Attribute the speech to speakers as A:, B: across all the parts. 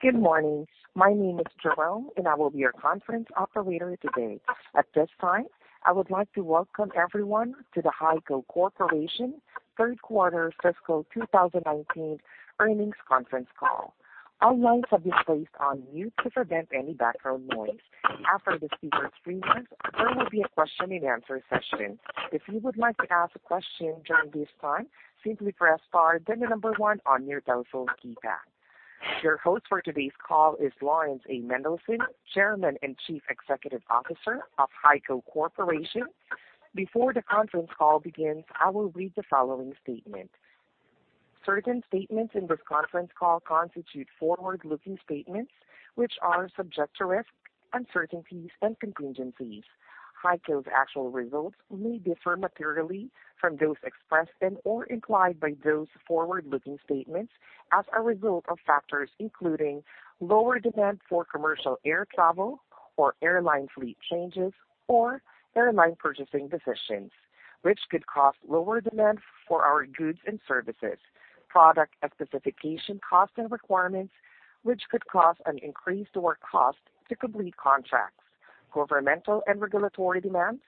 A: Good morning. My name is Jerome, and I will be your conference operator today. At this time, I would like to welcome everyone to the HEICO Corporation Third Quarter Fiscal 2019 Earnings Conference Call. All lines have been placed on mute to prevent any background noise. After the speaker's remarks, there will be a question-and-answer session. If you would like to ask a question during this time, simply press star, then the number one on your telephone keypad. Your host for today's call is Laurans A. Mendelson, Chairman and Chief Executive Officer of HEICO Corporation. Before the conference call begins, I will read the following statement. Certain statements in this conference call constitute forward-looking statements, which are subject to risks, uncertainties, and contingencies. HEICO's actual results may differ materially from those expressed and/or implied by those forward-looking statements as a result of factors including lower demand for commercial air travel or airline fleet changes or airline purchasing decisions, which could cause lower demand for our goods and services, product specification costs and requirements, which could cause an increase to our cost to complete contracts, governmental and regulatory demands,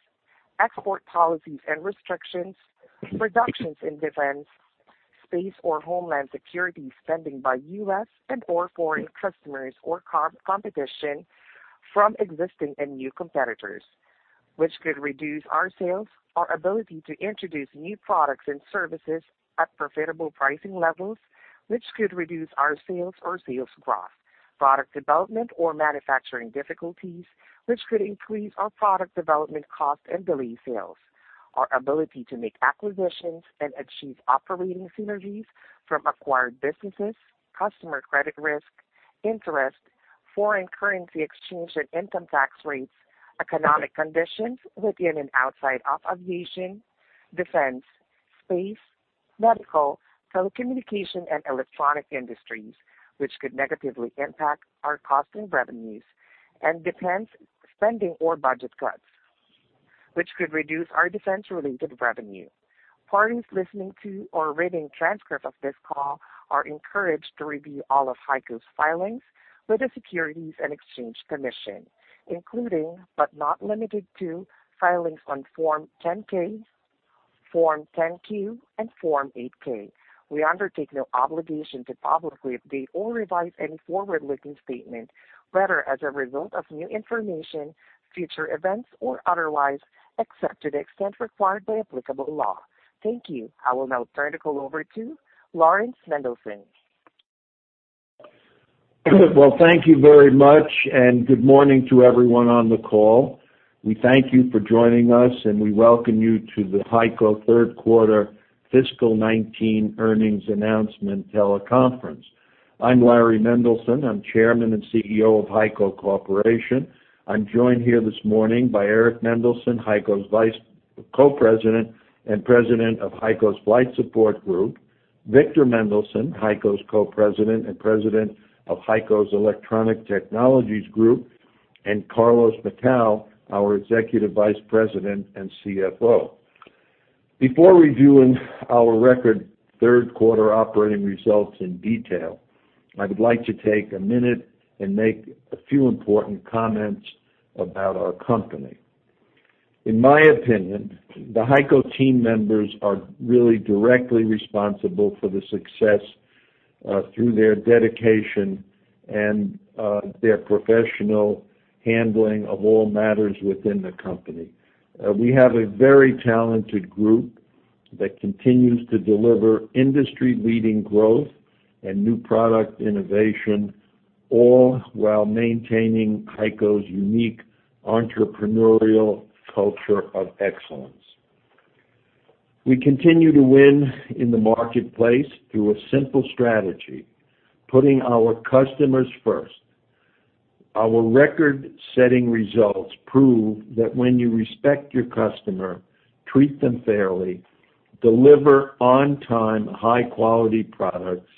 A: export policies and restrictions, reductions in defense, space, or homeland security spending by U.S. and/or foreign customers or competition from existing and new competitors, which could reduce our sales, our ability to introduce new products and services at profitable pricing levels. Which could reduce our sales or sales growth, product development or manufacturing difficulties, which could increase our product development cost and delay sales, our ability to make acquisitions and achieve operating synergies from acquired businesses, customer credit risk, interest, foreign currency exchange and income tax rates, economic conditions within and outside of aviation, defense, space, medical, telecommunication, and electronic industries, which could negatively impact our cost and revenues and defense spending or budget cuts, which could reduce our defense-related revenue. Parties listening to or reading a transcript of this call are encouraged to review all of HEICO's filings with the Securities and Exchange Commission, including, but not limited to, filings on Form 10-K, Form 10-Q, and Form 8-K. We undertake no obligation to publicly update or revise any forward-looking statement, whether as a result of new information, future events, or otherwise, except to the extent required by applicable law. Thank you. I will now turn the call over to Laurans Mendelson.
B: Well, thank you very much, and good morning to everyone on the call. We thank you for joining us, and we welcome you to the HEICO third quarter fiscal 2019 earnings announcement teleconference. I'm Larry Mendelson. I'm Chairman and CEO of HEICO Corporation. I'm joined here this morning by Eric Mendelson, HEICO's Co-President and President of HEICO's Flight Support Group, Victor Mendelson, HEICO's Co-President and President of HEICO's Electronic Technologies Group, and Carlos Macau, our Executive Vice President and CFO. Before reviewing our record third-quarter operating results in detail, I would like to take a minute and make a few important comments about our company. In my opinion, the HEICO team members are really directly responsible for the success through their dedication and their professional handling of all matters within the company. We have a very talented group that continues to deliver industry-leading growth and new product innovation, all while maintaining HEICO's unique entrepreneurial culture of excellence. We continue to win in the marketplace through a simple strategy, putting our customers first. Our record-setting results prove that when you respect your customer, treat them fairly, deliver on-time, high-quality products,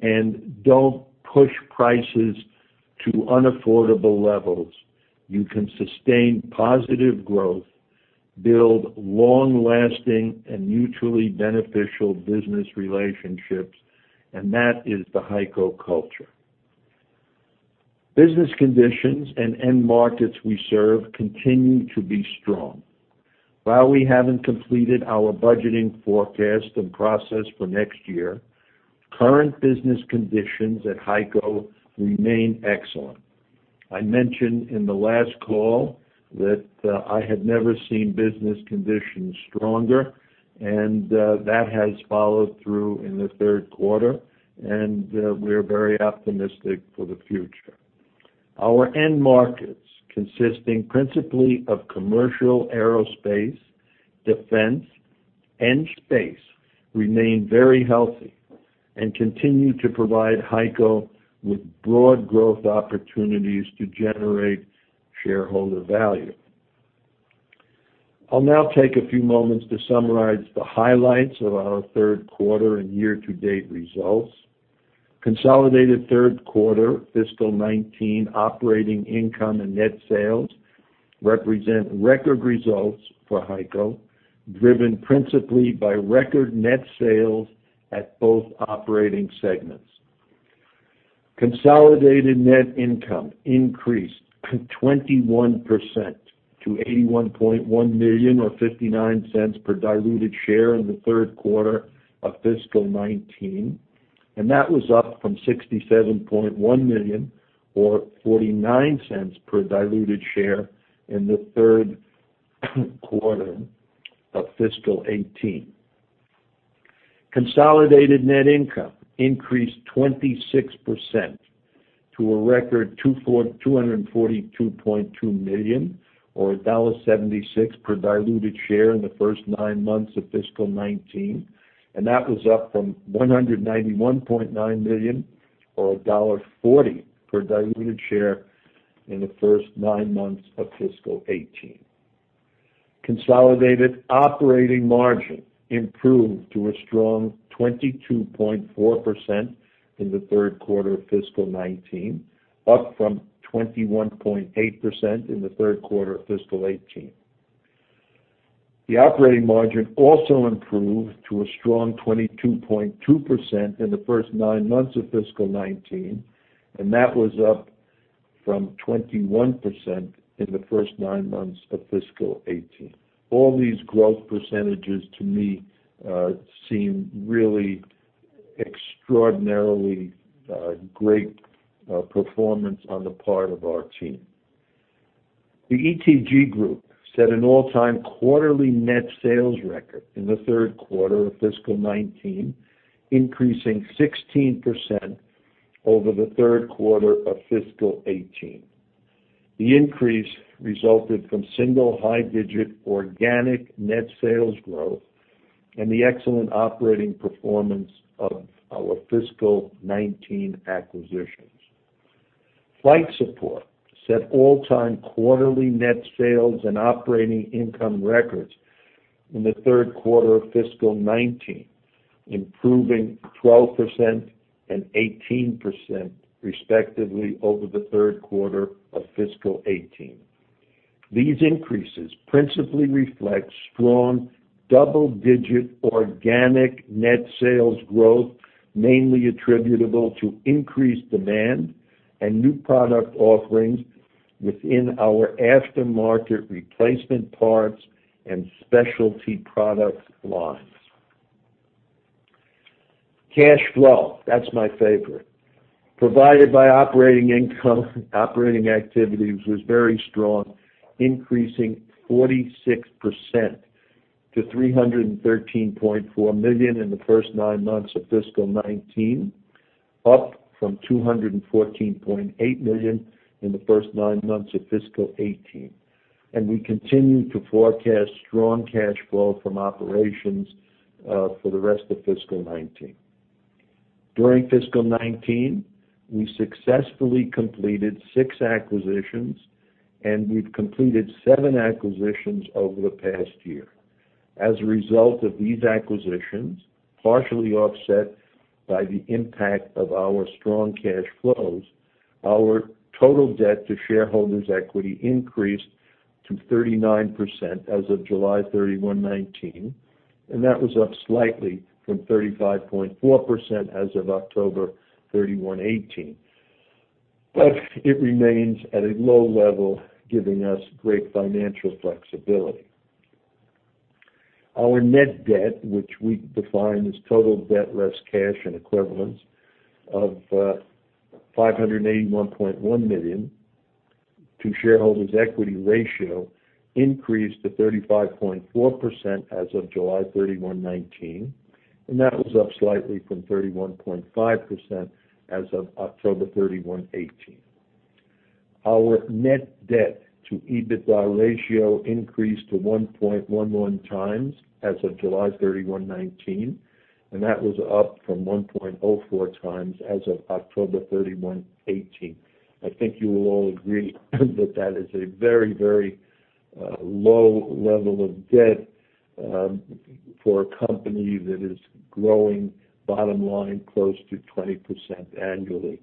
B: and don't push prices to unaffordable levels, you can sustain positive growth, build long-lasting and mutually beneficial business relationships, and that is the HEICO culture. Business conditions and end markets we serve continue to be strong. While we haven't completed our budgeting forecast and process for next year, current business conditions at HEICO remain excellent. I mentioned in the last call that I had never seen business conditions stronger, and that has followed through in the third quarter, and we're very optimistic for the future. Our end markets, consisting principally of commercial aerospace, defense, and space, remain very healthy and continue to provide HEICO with broad growth opportunities to generate shareholder value. I'll now take a few moments to summarize the highlights of our third quarter and year-to-date results. Consolidated third-quarter fiscal 2019 operating income and net sales represent record results for HEICO, driven principally by record net sales at both operating segments. Consolidated net income increased 21% to $81.1 million, or $0.59 per diluted share in the third quarter of fiscal 2019. That was up from $67.1 million or $0.49 per diluted share in the third quarter of fiscal 2018. Consolidated net income increased 26% to a record $242.2 million or $1.76 per diluted share in the first nine months of fiscal 2019, and that was up from $191.9 million or $1.40 per diluted share in the first nine months of fiscal 2018. Consolidated operating margin improved to a strong 22.4% in the third quarter of fiscal 2019, up from 21.8% in the third quarter of fiscal 2018. The operating margin also improved to a strong 22.2% in the first nine months of fiscal 2019, and that was up from 21% in the first nine months of fiscal 2018. All these growth percentages to me seem really extraordinarily great performance on the part of our team. The ETG Group set an all-time quarterly net sales record in the third quarter of fiscal 2019, increasing 16% over the third quarter of fiscal 2018. The increase resulted from single high-digit organic net sales growth and the excellent operating performance of our fiscal 2019 acquisitions. Flight Support set all-time quarterly net sales and operating income records in the third quarter of fiscal 2019, improving 12% and 18%, respectively, over the third quarter of fiscal 2018. These increases principally reflect strong double-digit organic net sales growth, mainly attributable to increased demand and new product offerings within our aftermarket replacement parts and specialty product lines. Cash flow, that's my favorite, provided by operating income, operating activities was very strong, increasing 46% to $313.4 million in the first nine months of fiscal 2019, up from $214.8 million in the first nine months of fiscal 2018. We continue to forecast strong cash flow from operations for the rest of fiscal 2019. During fiscal 2019, we successfully completed six acquisitions, and we've completed seven acquisitions over the past year. As a result of these acquisitions, partially offset by the impact of our strong cash flows, our total debt to shareholders' equity increased to 39% as of July 31, 2019, and that was up slightly from 35.4% as of October 31, 2018. It remains at a low level, giving us great financial flexibility. Our net debt, which we define as total debt less cash and equivalents of $581.1 million to shareholders equity ratio increased to 35.4% as of July 31, 2019, and that was up slightly from 31.5% as of October 31, 2018. Our net debt to EBITDA ratio increased to 1.11x as of July 31, 2019, and that was up from 1.04x as of October 31, 2018. I think you will all agree that that is a very low level of debt for a company that is growing bottom-line close to 20% annually.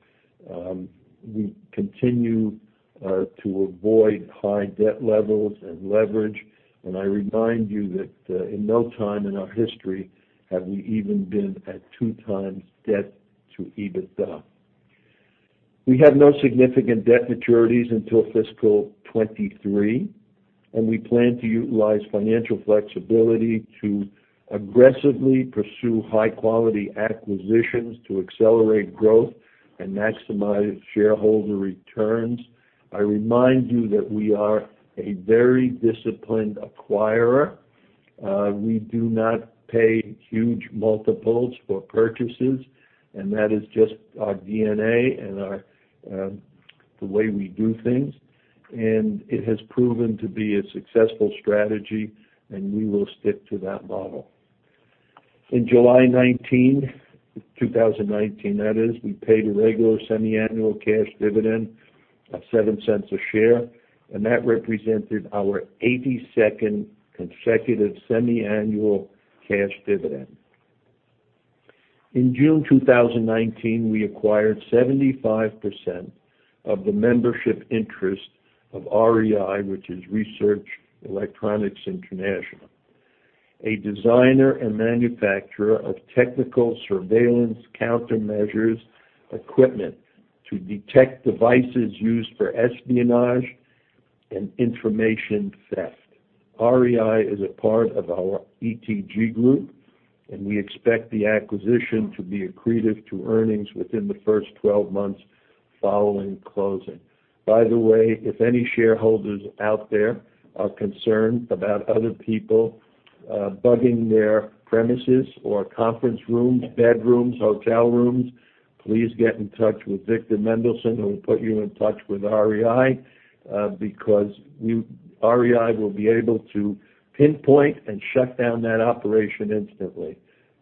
B: We continue to avoid high debt levels and leverage. I remind you that in no time in our history have we even been at 2x debt to EBITDA. We have no significant debt maturities until fiscal 2023. We plan to utilize financial flexibility to aggressively pursue high-quality acquisitions to accelerate growth and maximize shareholder returns. I remind you that we are a very disciplined acquirer. We do not pay huge multiples for purchases. That is just our DNA and the way we do things. It has proven to be a successful strategy, and we will stick to that model. In July 2019, that is, we paid a regular semiannual cash dividend of $0.07 a share. That represented our 82nd consecutive semiannual cash dividend. In June 2019, we acquired 75% of the membership interest of REI, which is Research Electronics International, a designer and manufacturer of technical surveillance countermeasures equipment to detect devices used for espionage and information theft. REI is a part of our ETG group. We expect the acquisition to be accretive to earnings within the first 12 months following closing. By the way, if any shareholders out there are concerned about other people bugging their premises or conference rooms, bedrooms, hotel rooms, please get in touch with Victor Mendelson, who will put you in touch with REI, because REI will be able to pinpoint and shut down that operation instantly.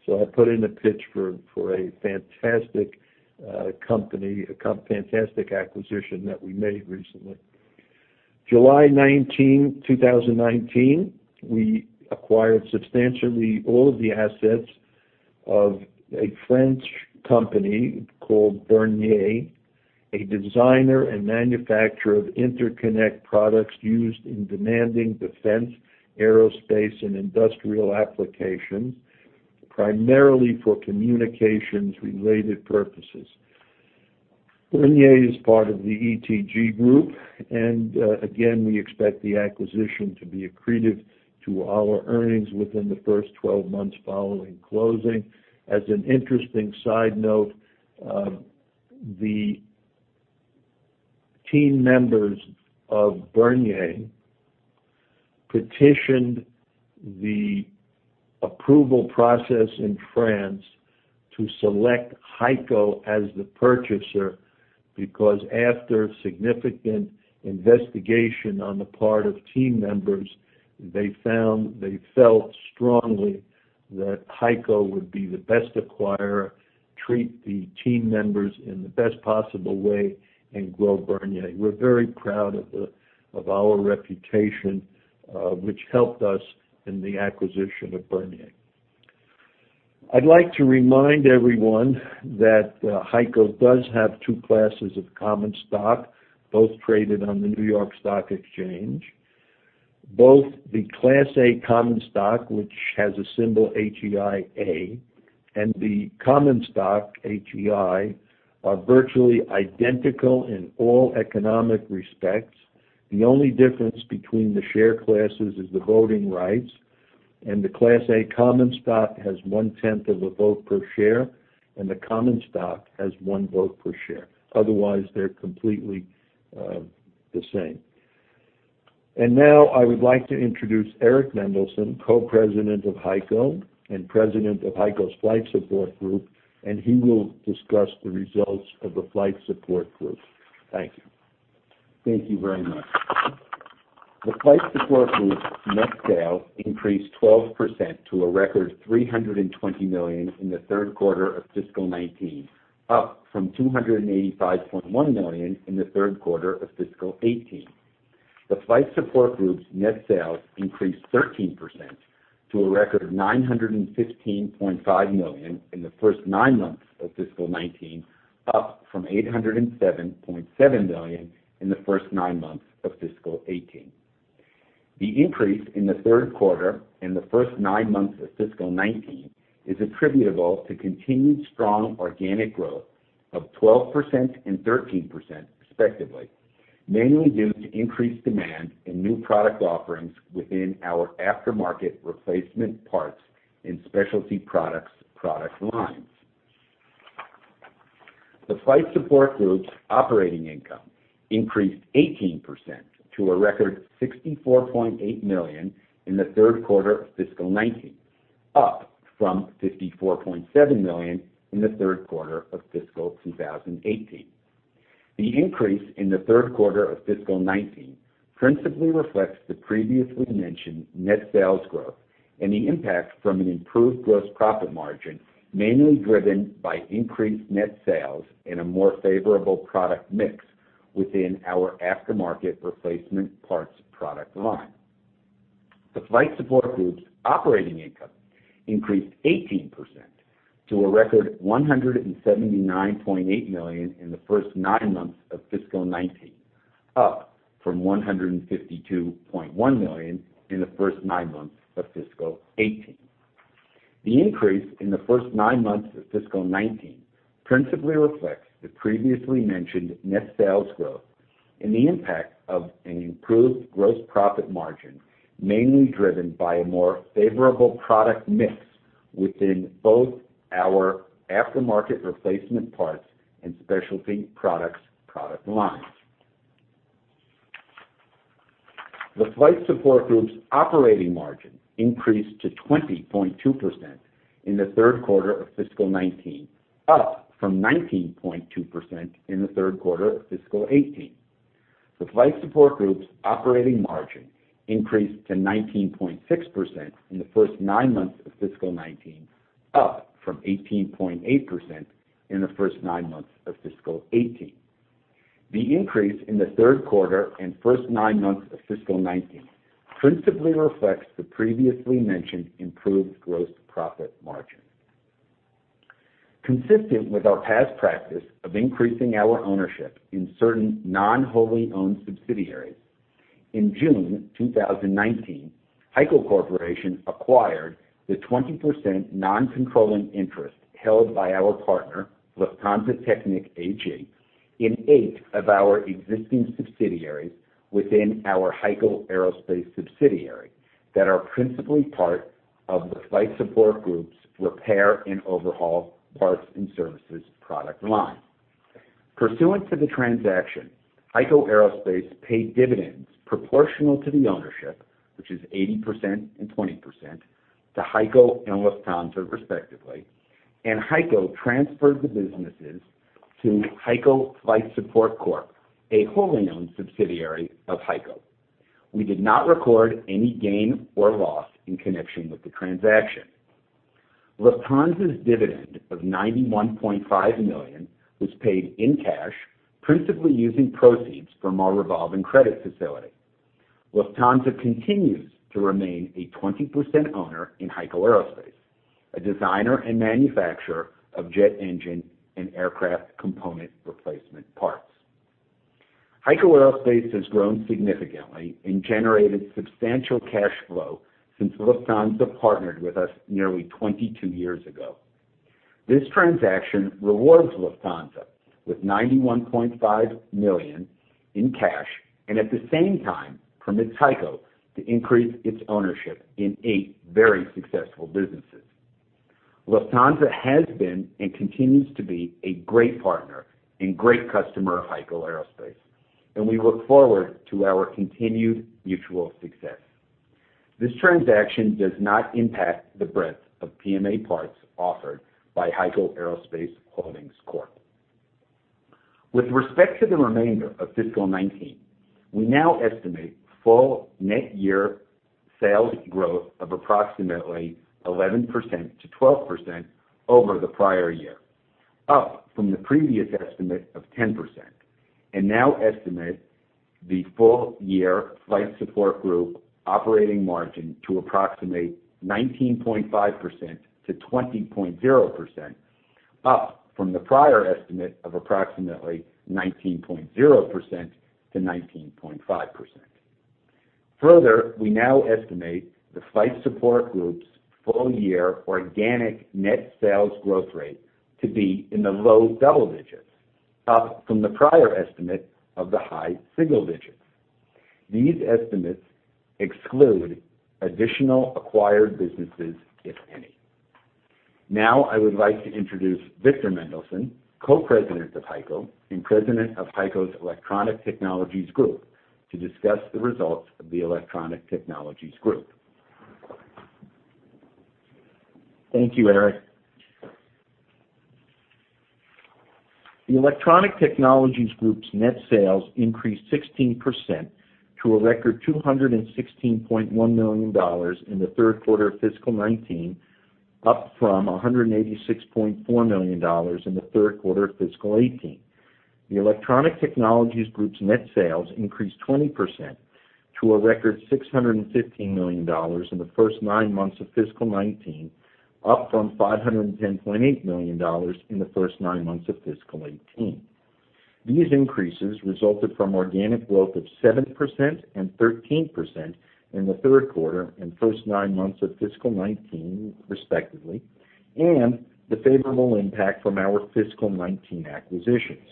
B: I put in a pitch for a fantastic company, a fantastic acquisition that we made recently. July 19, 2019, we acquired substantially all of the assets of a French company called Bernier, a designer and manufacturer of interconnect products used in demanding defense, aerospace, and industrial applications, primarily for communications-related purposes. Bernier is part of the ETG group, and again, we expect the acquisition to be accretive to our earnings within the first 12 months following closing. As an interesting side note, the team members of Bernier petitioned the approval process in France to select HEICO as the purchaser, because after significant investigation on the part of team members, they felt strongly that HEICO would be the best acquirer, treat the team members in the best possible way, and grow Bernier. We're very proud of our reputation, which helped us in the acquisition of Bernier. I'd like to remind everyone that HEICO does have two classes of common stock, both traded on the New York Stock Exchange. Both the Class A common stock, which has a symbol HEI.A, and the common stock, HEI, are virtually identical in all economic respects. The only difference between the share classes is the voting rights, and the Class A common stock has one tenth of a vote per share, and the common stock has one vote per share. Otherwise, they're completely the same. Now I would like to introduce Eric Mendelson, Co-President of HEICO and President of HEICO's Flight Support Group, and he will discuss the results of the Flight Support Group. Thank you.
C: Thank you very much. The Flight Support Group's net sales increased 12% to a record $320 million in the third quarter of fiscal 2019, up from $285.1 million in the third quarter of fiscal 2018. The Flight Support Group's net sales increased 13% to a record $915.5 million in the first nine months of fiscal 2019, up from $807.7 million in the first nine months of fiscal 2018. The increase in the third quarter and the first nine months of fiscal 2019 is attributable to continued strong organic growth of 12% and 13%, respectively, mainly due to increased demand and new product offerings within our aftermarket replacement parts in specialty products product lines. The Flight Support Group's operating income increased 18% to a record $64.8 million in the third quarter of fiscal 2019, up from $54.7 million in the third quarter of fiscal 2018. The increase in the third quarter of fiscal 2019 principally reflects the previously mentioned net sales growth and the impact from an improved gross profit margin, mainly driven by increased net sales and a more favorable product mix within our aftermarket replacement parts product line. The Flight Support Group's operating income increased 18% to a record $179.8 million in the first nine months of fiscal 2019, up from $152.1 million in the first nine months of fiscal 2018. The increase in the first nine months of fiscal 2019 principally reflects the previously mentioned net sales growth and the impact of an improved gross profit margin, mainly driven by a more favorable product mix within both our aftermarket replacement parts and specialty products product lines. The Flight Support Group's operating margin increased to 20.2% in the third quarter of fiscal 2019, up from 19.2% in the third quarter of fiscal 2018. The Flight Support Group's operating margin increased to 19.6% in the first nine months of fiscal 2019, up from 18.8% in the first nine months of fiscal 2018. The increase in the third quarter and first nine months of fiscal 2019 principally reflects the previously mentioned improved gross profit margin. Consistent with our past practice of increasing our ownership in certain non-wholly owned subsidiaries, in June 2019, HEICO Corporation acquired the 20% non-controlling interest held by our partner, Lufthansa Technik AG, in eight of our existing subsidiaries within our HEICO Aerospace subsidiary that are principally part of the Flight Support Group's repair and overhaul parts and services product line. Pursuant to the transaction, HEICO Aerospace paid dividends proportional to the ownership, which is 80% and 20%, to HEICO and Lufthansa, respectively, and HEICO transferred the businesses to HEICO Flight Support Corp., a wholly-owned subsidiary of HEICO. We did not record any gain or loss in connection with the transaction. Lufthansa's dividend of $91.5 million was paid in cash, principally using proceeds from our revolving credit facility. Lufthansa continues to remain a 20% owner in HEICO Aerospace, a designer and manufacturer of jet engine and aircraft component replacement parts. HEICO Aerospace has grown significantly and generated substantial cash flow since Lufthansa partnered with us nearly 22 years ago. This transaction rewards Lufthansa with $91.5 million in cash, and at the same time permits HEICO to increase its ownership in eight very successful businesses. Lufthansa has been and continues to be a great partner and great customer of HEICO Aerospace, and we look forward to our continued mutual success. This transaction does not impact the breadth of PMA parts offered by HEICO Aerospace Holdings Corp. With respect to the remainder of fiscal 2019, we now estimate full net year sales growth of approximately 11%-12% over the prior year, up from the previous estimate of 10%, and now estimate the full-year Flight Support Group operating margin to approximate 19.5%-20.0%, up from the prior estimate of approximately 19.0%-19.5%. We now estimate the Flight Support Group's full-year organic net sales growth rate to be in the low double digits, up from the prior estimate of the high single digits. These estimates exclude additional acquired businesses, if any. I would like to introduce Victor Mendelson, Co-President of HEICO and President of HEICO's Electronic Technologies Group, to discuss the results of the Electronic Technologies Group.
D: Thank you, Eric. The Electronic Technologies Group's net sales increased 16% to a record $216.1 million in the third quarter of fiscal 2019, up from $186.4 million in the third quarter of fiscal 2018. The Electronic Technologies Group's net sales increased 20% to a record $615 million in the first nine months of fiscal 2019, up from $510.8 million in the first nine months of fiscal 2018. These increases resulted from organic growth of 7% and 13% in the third quarter and first nine months of fiscal 2019, respectively, and the favorable impact from our fiscal 2019 acquisitions.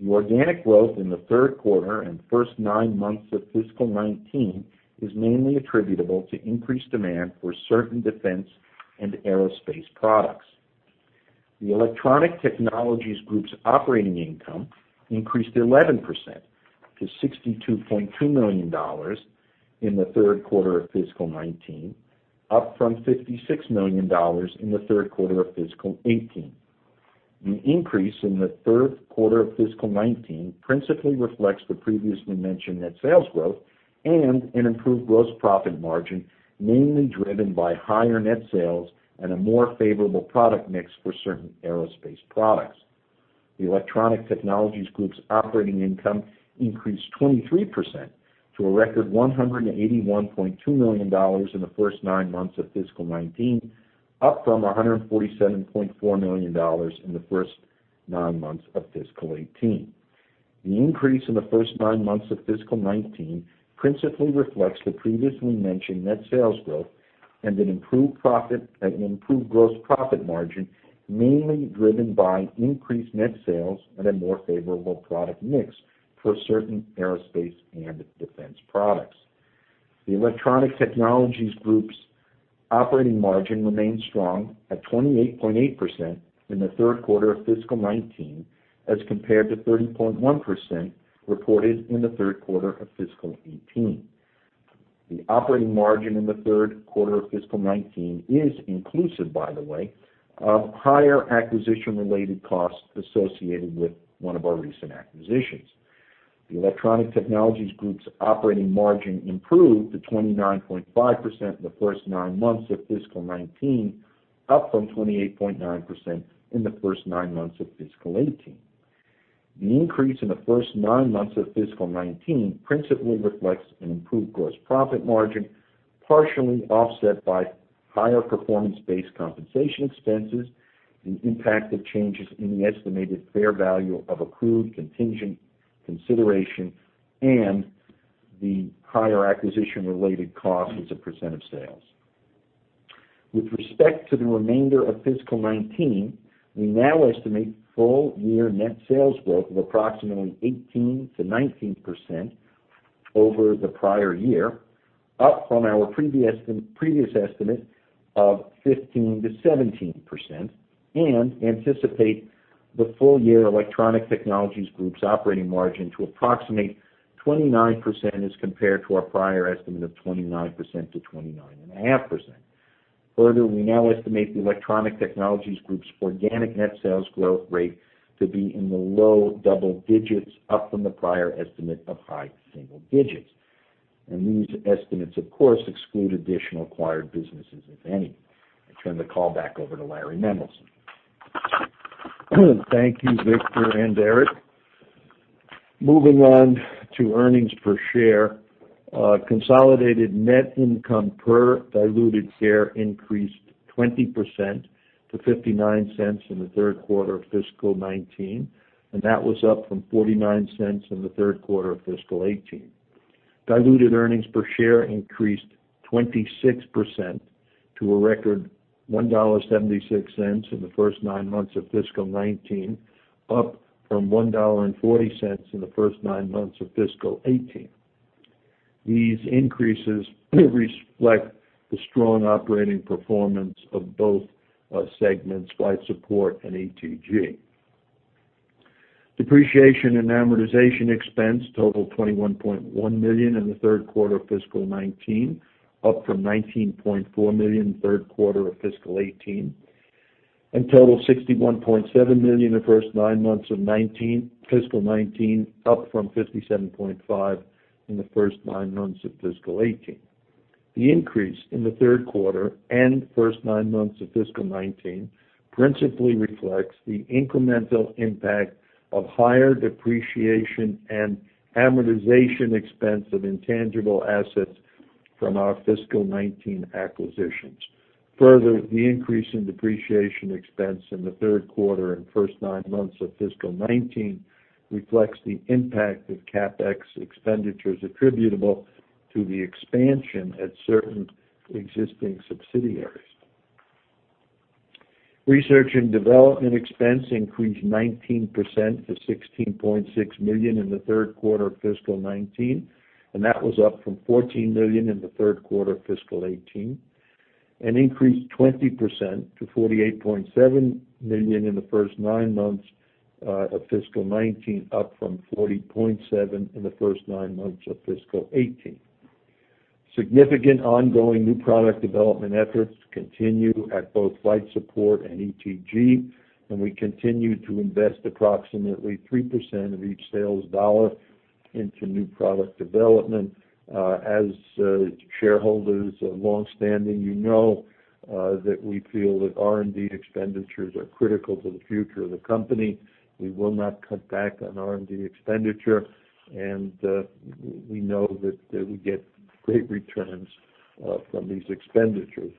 D: The organic growth in the third quarter and first nine months of fiscal 2019 is mainly attributable to increased demand for certain defense and aerospace products. The Electronic Technologies Group's operating income increased 11% to $62.2 million in the third quarter of fiscal 2019, up from $56 million in the third quarter of fiscal 2018. The increase in the third quarter of fiscal 2019 principally reflects the previously mentioned net sales growth and an improved gross profit margin, mainly driven by higher net sales and a more favorable product mix for certain aerospace products. The Electronic Technologies Group's operating income increased 23% to a record $181.2 million in the first nine months of fiscal 2019, up from $147.4 million in the first nine months of fiscal 2018. The increase in the first nine months of fiscal 2019 principally reflects the previously mentioned net sales growth and an improved gross profit margin, mainly driven by increased net sales and a more favorable product mix for certain aerospace and defense products. The Electronic Technologies Group's operating margin remained strong at 28.8% in the third quarter of fiscal 2019 as compared to 30.1% reported in the third quarter of fiscal 2018. The operating margin in the third quarter of fiscal 2019 is inclusive, by the way, of higher acquisition-related costs associated with one of our recent acquisitions. The Electronic Technologies Group's operating margin improved to 29.5% in the first nine months of fiscal 2019, up from 28.9% in the first nine months of fiscal 2018. The increase in the first nine months of fiscal 2019 principally reflects an improved gross profit margin, partially offset by higher performance-based compensation expenses, the impact of changes in the estimated fair value of accrued contingent consideration, and the higher acquisition-related cost as a pecent of sales. With respect to the remainder of fiscal 2019, we now estimate full-year net sales growth of approximately 18%-19% over the prior year, up from our previous estimate of 15%-17%, and anticipate the full year Electronic Technologies Group's operating margin to approximate 29% as compared to our prior estimate of 29%-29.5%. Further, we now estimate the Electronic Technologies Group's organic net sales growth rate to be in the low double digits, up from the prior estimate of high single digits. These estimates, of course, exclude additional acquired businesses, if any. I turn the call back over to Larry Mendelson.
B: Thank you, Victor and Eric. Moving on to earnings per share. Consolidated net income per diluted share increased 20% to $0.59 in the third quarter of fiscal 2019. That was up from $0.49 in the third quarter of fiscal 2018. Diluted earnings per share increased 26% to a record $1.76 in the first nine months of fiscal 2019, up from $1.40 in the first nine months of fiscal 2018. These increases reflect the strong operating performance of both segments, Flight Support Group and ETG. Depreciation and amortization expense totaled $21.1 million in the third quarter of fiscal 2019, up from $19.4 million third quarter of fiscal 2018. Totaled $61.7 million the first nine months of fiscal 2019, up from $57.5 million in the first nine months of fiscal 2018. The increase in the third quarter and first nine months of fiscal 2019 principally reflects the incremental impact of higher depreciation and amortization expense of intangible assets from our fiscal 2019 acquisitions. The increase in depreciation expense in the third quarter and first nine months of fiscal 2019 reflects the impact of CapEx expenditures attributable to the expansion at certain existing subsidiaries. Research and development expense increased 19% to $16.6 million in the third quarter of fiscal 2019, and that was up from $14 million in the third quarter of fiscal 2018, and increased 20% to $48.7 million in the first nine months of fiscal 2019, up from $40.7 million in the first nine months of fiscal 2018. Significant ongoing new product development efforts continue at both Flight Support and ETG. We continue to invest approximately 3% of each sales dollar into new product development. As shareholders longstanding, you know that we feel that R&D expenditures are critical to the future of the company. We will not cut back on R&D expenditure, and we know that we get great returns from these expenditures.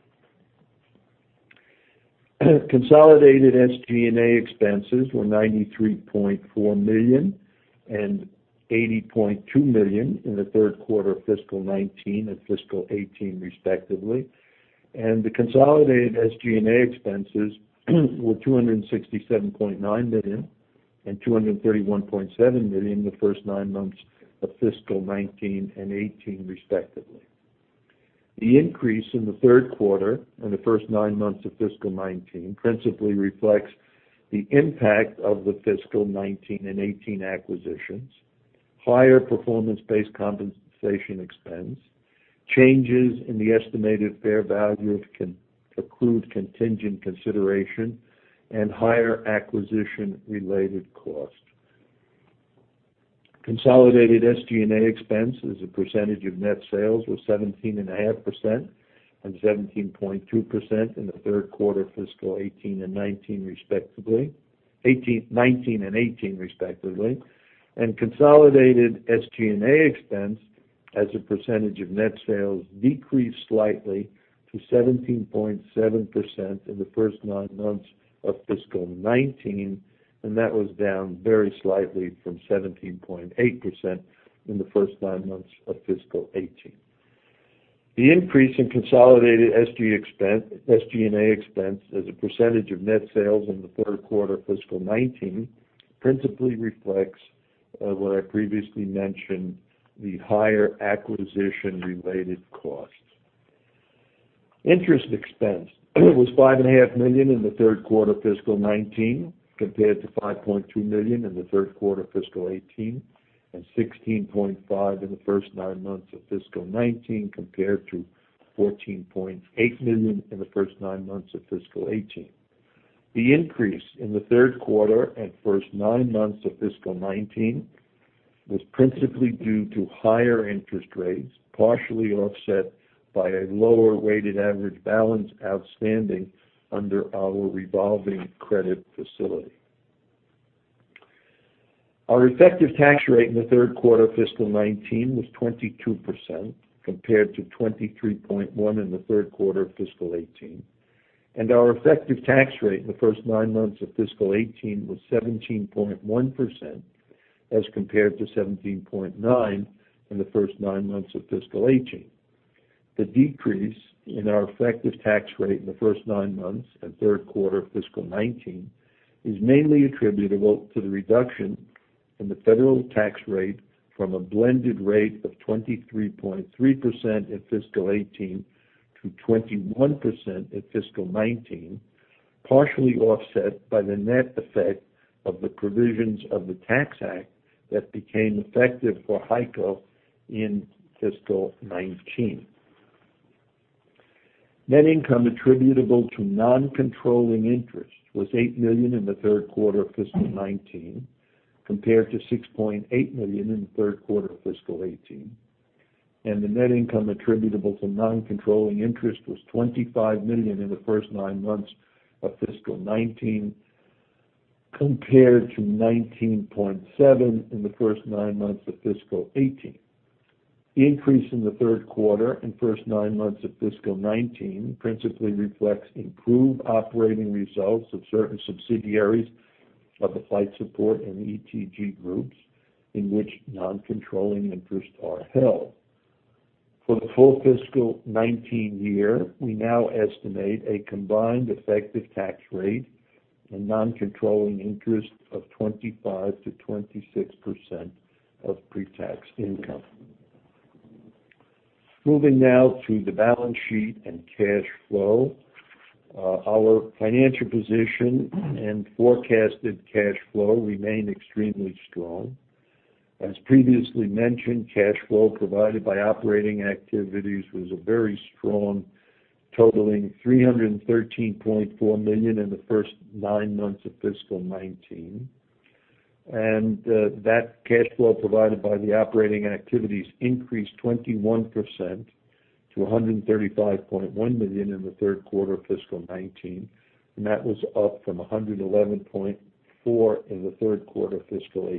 B: Consolidated SG&A expenses were $93.4 million and $80.2 million in the third quarter of fiscal 2019 and fiscal 2018 respectively. The consolidated SG&A expenses were $267.9 million and $231.7 million the first nine months of fiscal 2019 and 2018 respectively. The increase in the third quarter and the first nine months of fiscal 2019 principally reflects the impact of the fiscal 2019 and 2018 acquisitions, higher performance-based compensation expense, changes in the estimated fair value of accrued contingent consideration, and higher acquisition-related cost. Consolidated SG&A expense as a percentage of net sales was 17.5% and 17.2% in the third quarter of fiscal 2018 and 2019 respectively, 2019 and 2018 respectively. Consolidated SG&A expense as a percentage of net sales decreased slightly to 17.7% in the first nine months of fiscal 2019, and that was down very slightly from 17.8% in the first nine months of fiscal 2018. The increase in consolidated SG&A expense as a percentage of net sales in the third quarter of fiscal 2019 principally reflects what I previously mentioned, the higher acquisition-related costs. Interest expense was $5.5 million in the third quarter fiscal 2019 compared to $5.2 million in the third quarter fiscal 2018, and $16.5 million in the first nine months of fiscal 2018. The increase in the third quarter and first nine months of fiscal 2019 was principally due to higher interest rates, partially offset by a lower weighted average balance outstanding under our revolving credit facility. Our effective tax rate in the third quarter of fiscal 2019 was 22%, compared to 23.1% in the third quarter of fiscal 2018. Our effective tax rate in the first nine months of fiscal 2018 was 17.1%, as compared to 17.9% in the first nine months of fiscal 2018. The decrease in our effective tax rate in the first nine months and third quarter of fiscal 2019 is mainly attributable to the reduction in the federal tax rate from a blended rate of 23.3% in fiscal 2018 to 21% in fiscal 2019, partially offset by the net effect of the provisions of the Tax Act that became effective for HEICO in fiscal 2019. Net income attributable to non-controlling interest was $8 million in the third quarter of fiscal 2019, compared to $6.8 million in the third quarter of fiscal 2018. The net income attributable to non-controlling interest was $25 million in the first nine months of fiscal 2019, compared to $19.7 million in the first nine months of fiscal 2018. The increase in the third quarter and first nine months of fiscal 2019 principally reflects improved operating results of certain subsidiaries of the Flight Support and ETG groups, in which non-controlling interests are held. For the full fiscal 2019 year, we now estimate a combined effective tax rate and non-controlling interest of 25%-26% of pre-tax income. Moving now to the balance sheet and cash flow. Our financial position and forecasted cash flow remain extremely strong. As previously mentioned, cash flow provided by operating activities was very strong, totaling $313.4 million in the first nine months of fiscal 2019. That cash flow provided by the operating activities increased 21% to $135.1 million in the third quarter of fiscal 2019. That was up from $111.4 million in the third quarter of fiscal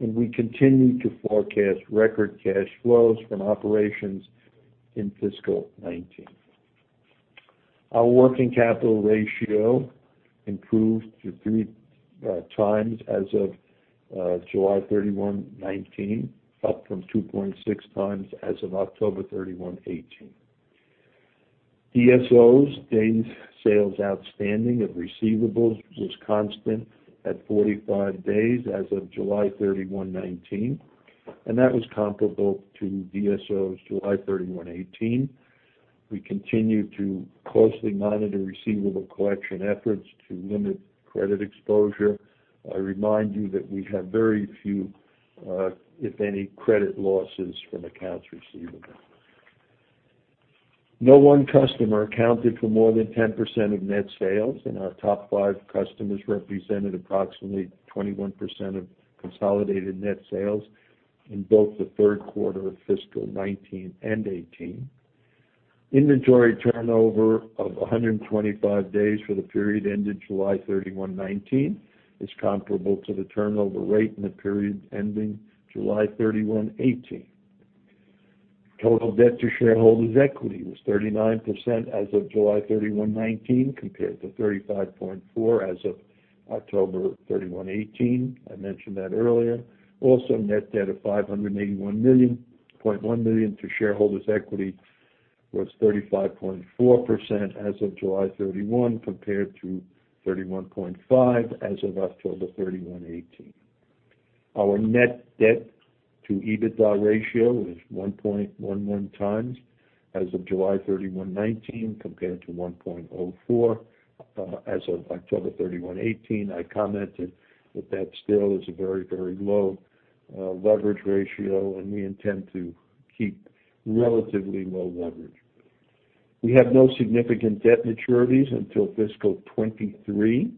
B: 2018. We continue to forecast record cash flows from operations in fiscal 2019. Our working capital ratio improved to 3x as of July 31, 2019, up from 2.6x as of October 31, 2018. DSOs, days sales outstanding of receivables, was constant at 45 days as of July 31, 2019. That was comparable to DSOs July 31, 2018. We continue to closely monitor receivable collection efforts to limit credit exposure. I remind you that we have very few, if any, credit losses from accounts receivable. No one customer accounted for more than 10% of net sales, and our top five customers represented approximately 21% of consolidated net sales in both the third quarter of fiscal 2019 and 2018. Inventory turnover of 125 days for the period ending July 31, 2019, is comparable to the turnover rate in the period ending July 31, 2018. Total debt to shareholders equity was 39% as of July 31, 2019, compared to 35.4% as of October 31, 2018. I mentioned that earlier. Also, net debt of $581.1 million to shareholders equity was 35.4% as of July 31, compared to 31.5% as of October 31, 2018. Our net debt to EBITDA ratio was 1.11 times as of July 31, 2019, compared to 1.04 as of October 31, 2018. I commented that that still is a very low leverage ratio, and we intend to keep relatively low leverage. We have no significant debt maturities until fiscal 2023,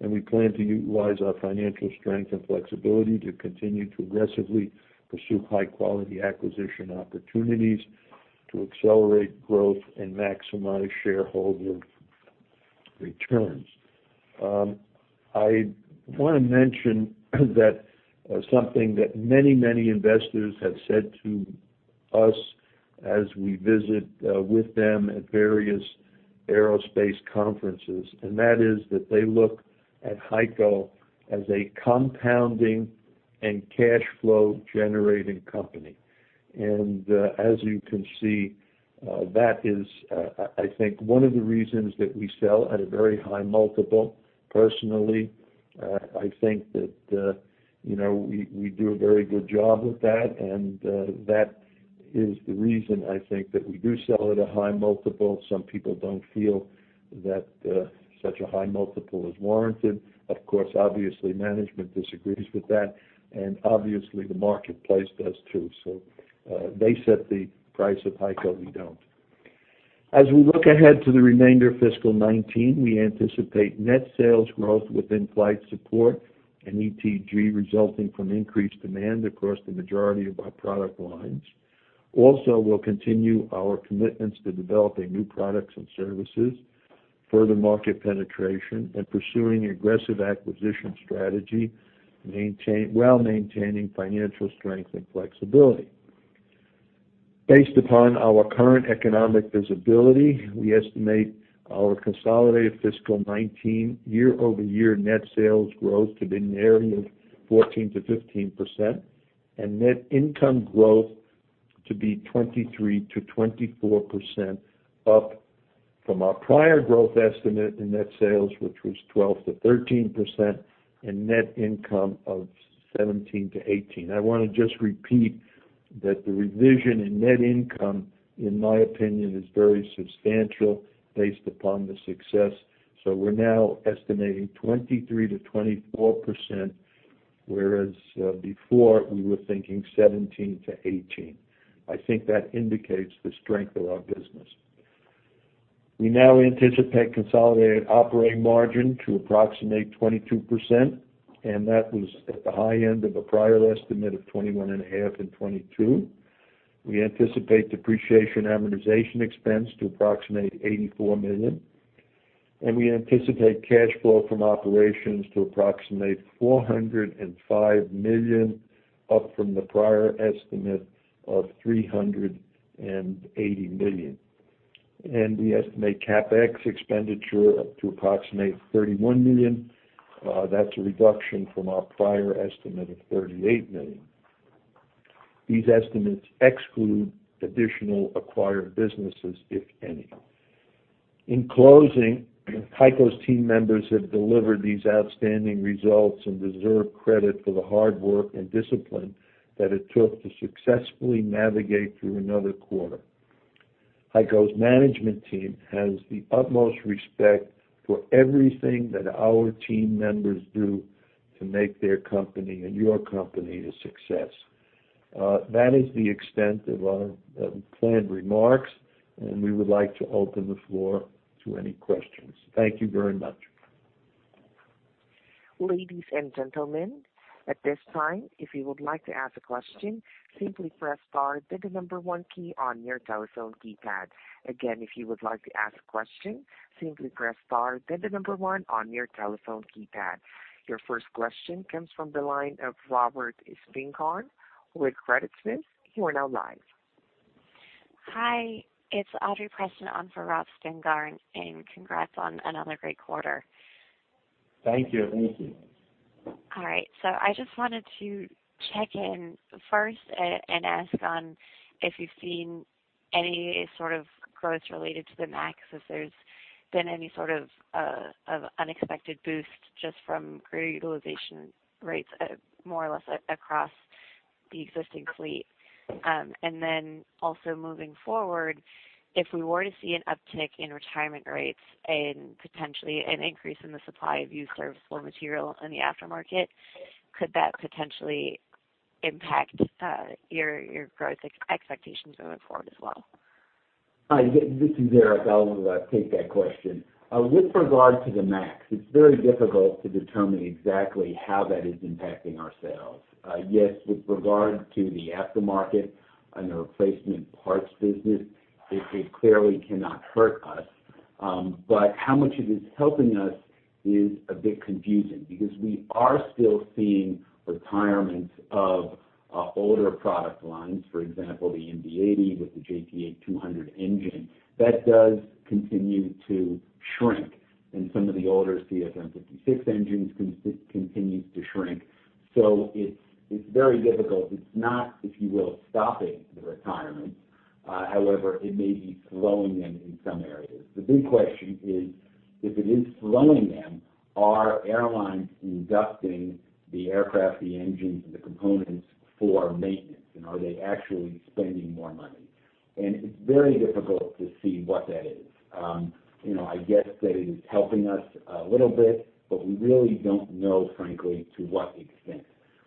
B: and we plan to utilize our financial strength and flexibility to continue to aggressively pursue high-quality acquisition opportunities to accelerate growth and maximize shareholder returns. I want to mention something that many investors have said to us as we visit with them at various aerospace conferences, and that is that they look at HEICO as a compounding and cash flow generating company. As you can see, that is, I think, one of the reasons that we sell at a very high multiple. Personally, I think that we do a very good job with that, and that is the reason I think that we do sell at a high multiple. Some people don't feel that such a high multiple is warranted. Of course, obviously, management disagrees with that, and obviously, the marketplace does too. They set the price of HEICO, we don't. As we look ahead to the remainder of fiscal 2019, we anticipate net sales growth within Flight Support and ETG resulting from increased demand across the majority of our product lines. We'll continue our commitments to developing new products and services, further market penetration, and pursuing aggressive acquisition strategy, while maintaining financial strength and flexibility. Based upon our current economic visibility, we estimate our consolidated fiscal 2019 year-over-year net sales growth to be in the area of 14%-15%, and net income growth to be 23%-24%, up from our prior growth estimate in net sales, which was 12%-13%, and net income of 17%-18%. I want to just repeat that the revision in net income, in my opinion, is very substantial based upon the success. We're now estimating 23%-24%, whereas before we were thinking 17%-18%. I think that indicates the strength of our business. We now anticipate consolidated operating margin to approximate 22%, and that was at the high end of a prior estimate of 21.5%-22%. We anticipate depreciation amortization expense to approximate $84 million, and we anticipate cash flow from operations to approximate $405 million, up from the prior estimate of $380 million. We estimate CapEx expenditure up to approximate $31 million. That's a reduction from our prior estimate of $38 million. These estimates exclude additional acquired businesses, if any. In closing, HEICO's team members have delivered these outstanding results and deserve credit for the hard work and discipline that it took to successfully navigate through another quarter. HEICO's management team has the utmost respect for everything that our team members do to make their company and your company a success. That is the extent of our planned remarks, and we would like to open the floor to any questions. Thank you very much.
A: Ladies and gentlemen, at this time, if you would like to ask a question, simply press star, then the number one key on your telephone keypad. Again, if you would like to ask a question, simply press star, then the number one on your telephone keypad. Your first question comes from the line of Robert Spingarn with Credit Suisse. You are now live.
E: Hi, it's Audrey Preston on for Rob Spingarn, and congrats on another great quarter.
C: Thank you.
E: I just wanted to check in first and ask on if you've seen any sort of growth related to the MAX, if there's been any sort of unexpected boost just from greater utilization rates, more or less across the existing fleet. Also moving forward, if we were to see an uptick in retirement rates and potentially an increase in the supply of used serviceable material in the aftermarket, could that potentially impact your growth expectations moving forward as well?
C: Hi, this is Eric. I'll take that question. With regard to the MAX, it's very difficult to determine exactly how that is impacting our sales. Yes, with regard to the aftermarket and the replacement parts business, it clearly cannot hurt us. How much it is helping us is a bit confusing because we are still seeing retirements of older product lines, for example, the MD-80 with the JT8D-200 engine. That does continue to shrink, some of the older CFM56 engines continues to shrink. It's very difficult. It's not, if you will, stopping the retirements. However, it may be slowing them in some areas. The big question is, if it is slowing them, are airlines inducting the aircraft, the engines, and the components for maintenance, and are they actually spending more money? It's very difficult to see what that is. I guess that it is helping us a little bit, but we really don't know, frankly, to what extent.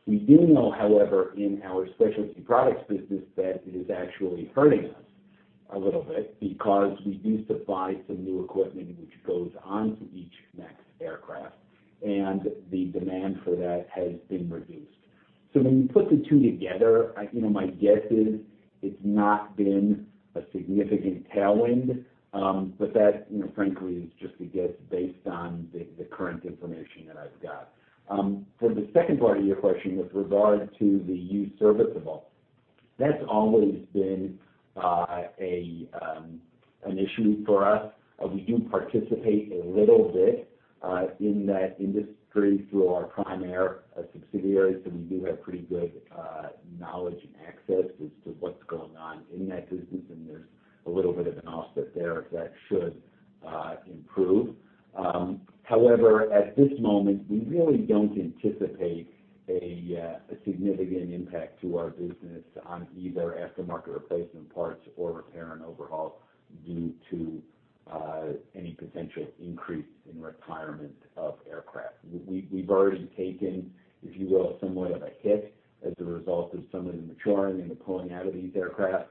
C: We do know, however, in our specialty products business that it is actually hurting us a little bit because we used to buy some new equipment which goes onto each MAX aircraft, and the demand for that has been reduced. When you put the two together, my guess is it's not been a significant tailwind, but that frankly is just a guess based on the current information that I've got. For the second part of your question with regard to the used serviceable, that's always been an issue for us. We do participate a little bit in that industry through our Prime Air subsidiaries, so we do have pretty good knowledge and access as to what's going on in that business, and there's a little bit of an offset there that should improve. However, at this moment, we really don't anticipate a significant impact to our business on either aftermarket replacement parts or repair and overhaul due to. Any potential increase in retirement of aircraft. We've already taken, if you will, somewhat of a hit as a result of some of the maturing and the pulling out of these aircraft.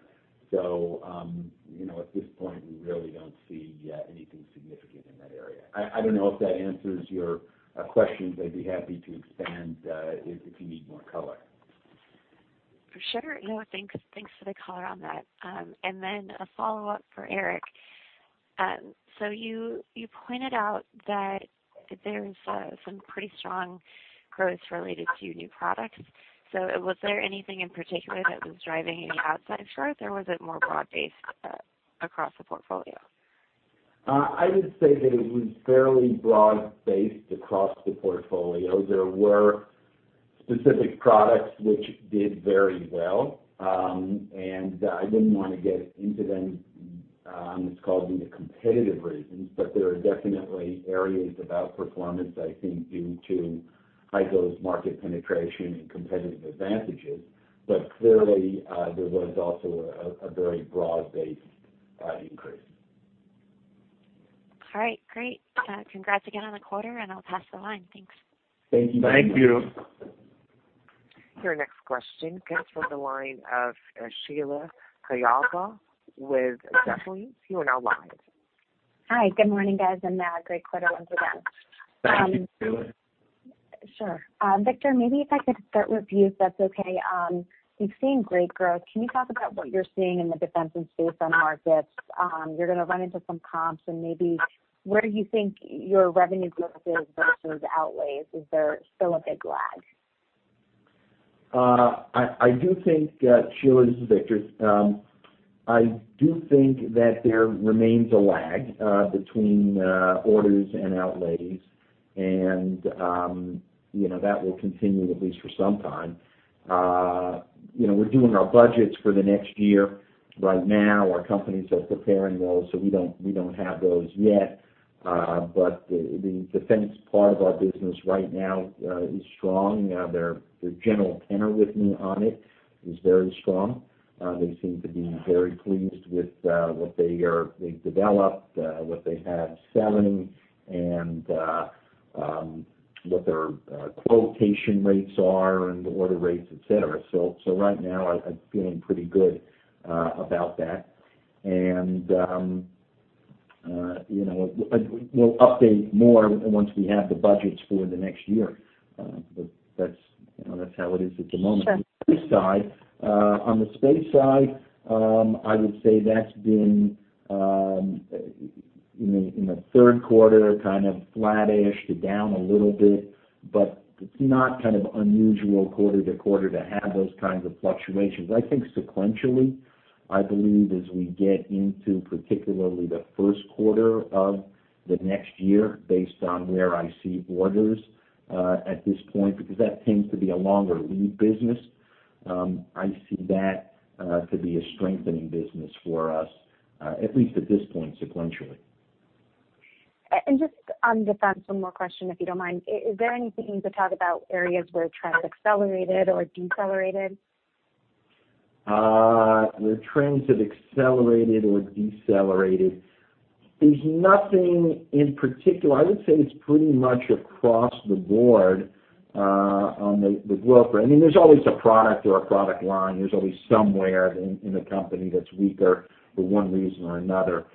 C: At this point, we really don't see anything significant in that area. I don't know if that answers your questions. I'd be happy to expand, if you need more color.
E: Thanks for the color on that. A follow-up for Eric. You pointed out that there's some pretty strong growth related to new products. Was there anything in particular that was driving any outsize growth, or was it more broad-based across the portfolio?
C: I would say that it was fairly broad-based across the portfolio. There were specific products which did very well, and I didn't want to get into them. It's called the competitive reasons, but there are definitely areas of outperformance, I think, due to high growth market penetration and competitive advantages. Clearly, there was also a very broad-based increase.
E: All right, great. Congrats again on the quarter, and I'll pass the line. Thanks.
C: Thank you.
B: Thank you.
A: Your next question comes from the line of Sheila Kahyaoglu with Jefferies. You are now live.
F: Hi, good morning, guys, and great quarter once again.
C: Thank you, Sheila.
F: Sure. Victor, maybe if I could start with you, if that's okay. You've seen great growth. Can you talk about what you're seeing in the defense and space end markets? You're going to run into some comps and maybe where you think your revenue growth is versus outlays. Is there still a big lag?
D: Sheila, this is Victor. I do think that there remains a lag between orders and outlays, and that will continue at least for some time. We're doing our budgets for the next year. Right now, our companies are preparing those. We don't have those yet. The defense part of our business right now is strong. Their general tenor with me on it is very strong. They seem to be very pleased with what they've developed, what they have selling, and what their quotation rates are and order rates, et cetera. Right now, I'm feeling pretty good about that. We'll update more once we have the budgets for the next year. That's how it is at the moment.
F: Sure.
D: On the space side, I would say that's been, in the third quarter, kind of flat-ish to down a little bit, but it's not kind of unusual quarter to quarter to have those kinds of fluctuations. I think sequentially, I believe as we get into particularly the first quarter of the next year, based on where I see orders at this point, because that tends to be a longer lead business, I see that to be a strengthening business for us, at least at this point, sequentially.
F: Just on defense, one more question, if you don't mind. Is there anything you can talk about areas where trends accelerated or decelerated?
D: Where trends have accelerated or decelerated. There's nothing in particular. I would say it's pretty much across the board on the growth rate. There's always a product or a product line. There's always somewhere in the company that's weaker for one reason or another.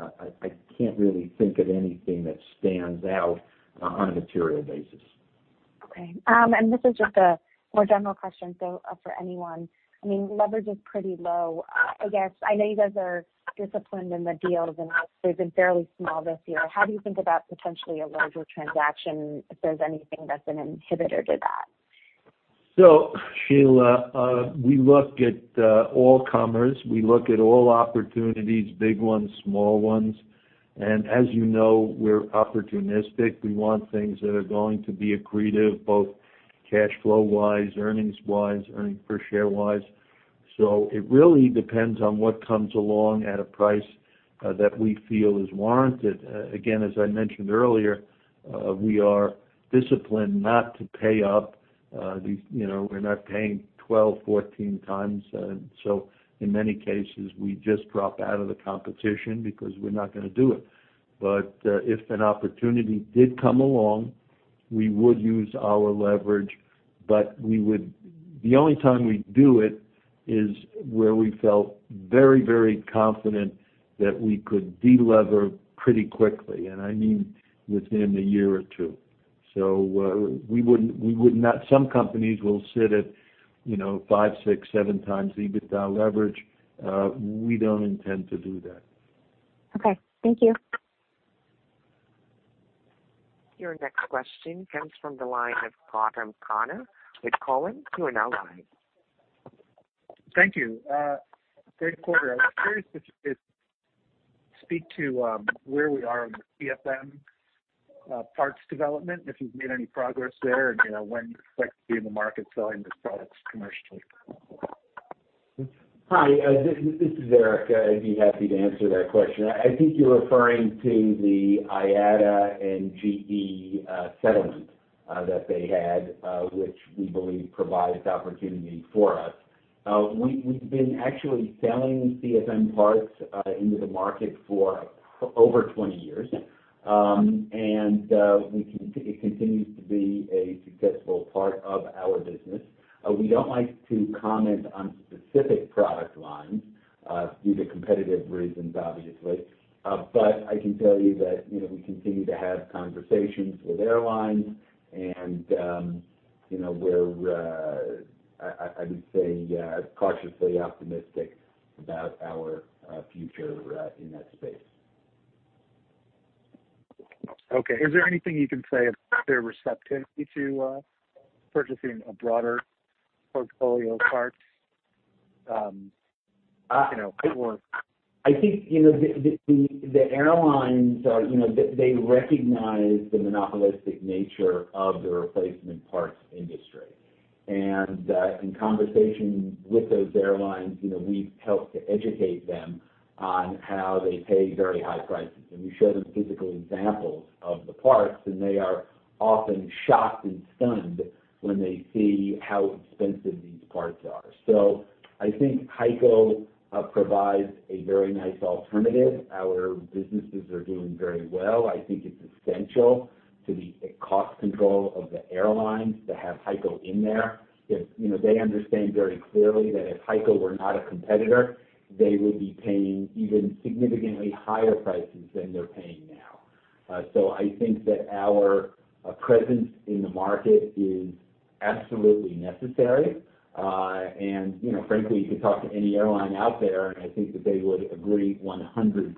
D: I can't really think of anything that stands out on a material basis.
F: Okay. This is just a more general question for anyone. Leverage is pretty low. I know you guys are disciplined in the deals, and they've been fairly small this year. How do you think about potentially a larger transaction, if there's anything that's an inhibitor to that?
B: Sheila, we look at all comers. We look at all opportunities, big ones, small ones. As you know, we're opportunistic. We want things that are going to be accretive, both cash flow wise, earnings wise, earning per share wise. It really depends on what comes along at a price that we feel is warranted. Again, as I mentioned earlier, we are disciplined not to pay up. We're not paying 12, 14 times. In many cases, we just drop out of the competition because we're not going to do it. If an opportunity did come along, we would use our leverage, but the only time we do it is where we felt very confident that we could de-lever pretty quickly, and I mean within a year or two. We would not. Some companies will sit at five, six, seven times EBITDA leverage. We don't intend to do that.
F: Okay. Thank you.
A: Your next question comes from the line of Gautam Khanna with Cowen. You are now live.
G: Thank you. Great quarter. I was curious if you could speak to where we are on the CFM parts development, if you've made any progress there, and when you expect to be in the market selling these products commercially.
C: Hi, this is Eric. I'd be happy to answer that question. I think you're referring to the IATA and GE settlement that they had, which we believe provides opportunity for us. We've been actually selling CFM parts into the market for over 20 years, and it continues to be a successful part of our business. We don't like to comment on specific product lines due to competitive reasons, obviously. I can tell you that we continue to have conversations with airlines, and we're, I would say, cautiously optimistic about our future in that space.
G: Okay. Is there anything you can say about their receptivity to purchasing a broader portfolio of parts?
C: I think, the airlines, they recognize the monopolistic nature of the replacement parts industry. In conversation with those airlines, we've helped to educate them on how they pay very high prices. We show them physical examples of the parts, and they are often shocked and stunned when they see how expensive these parts are. I think HEICO provides a very nice alternative. Our businesses are doing very well. I think it's essential to the cost control of the airlines to have HEICO in there. They understand very clearly that if HEICO were not a competitor, they would be paying even significantly higher prices than they're paying now. I think that our presence in the market is absolutely necessary. Frankly, you could talk to any airline out there, and I think that they would agree 100%.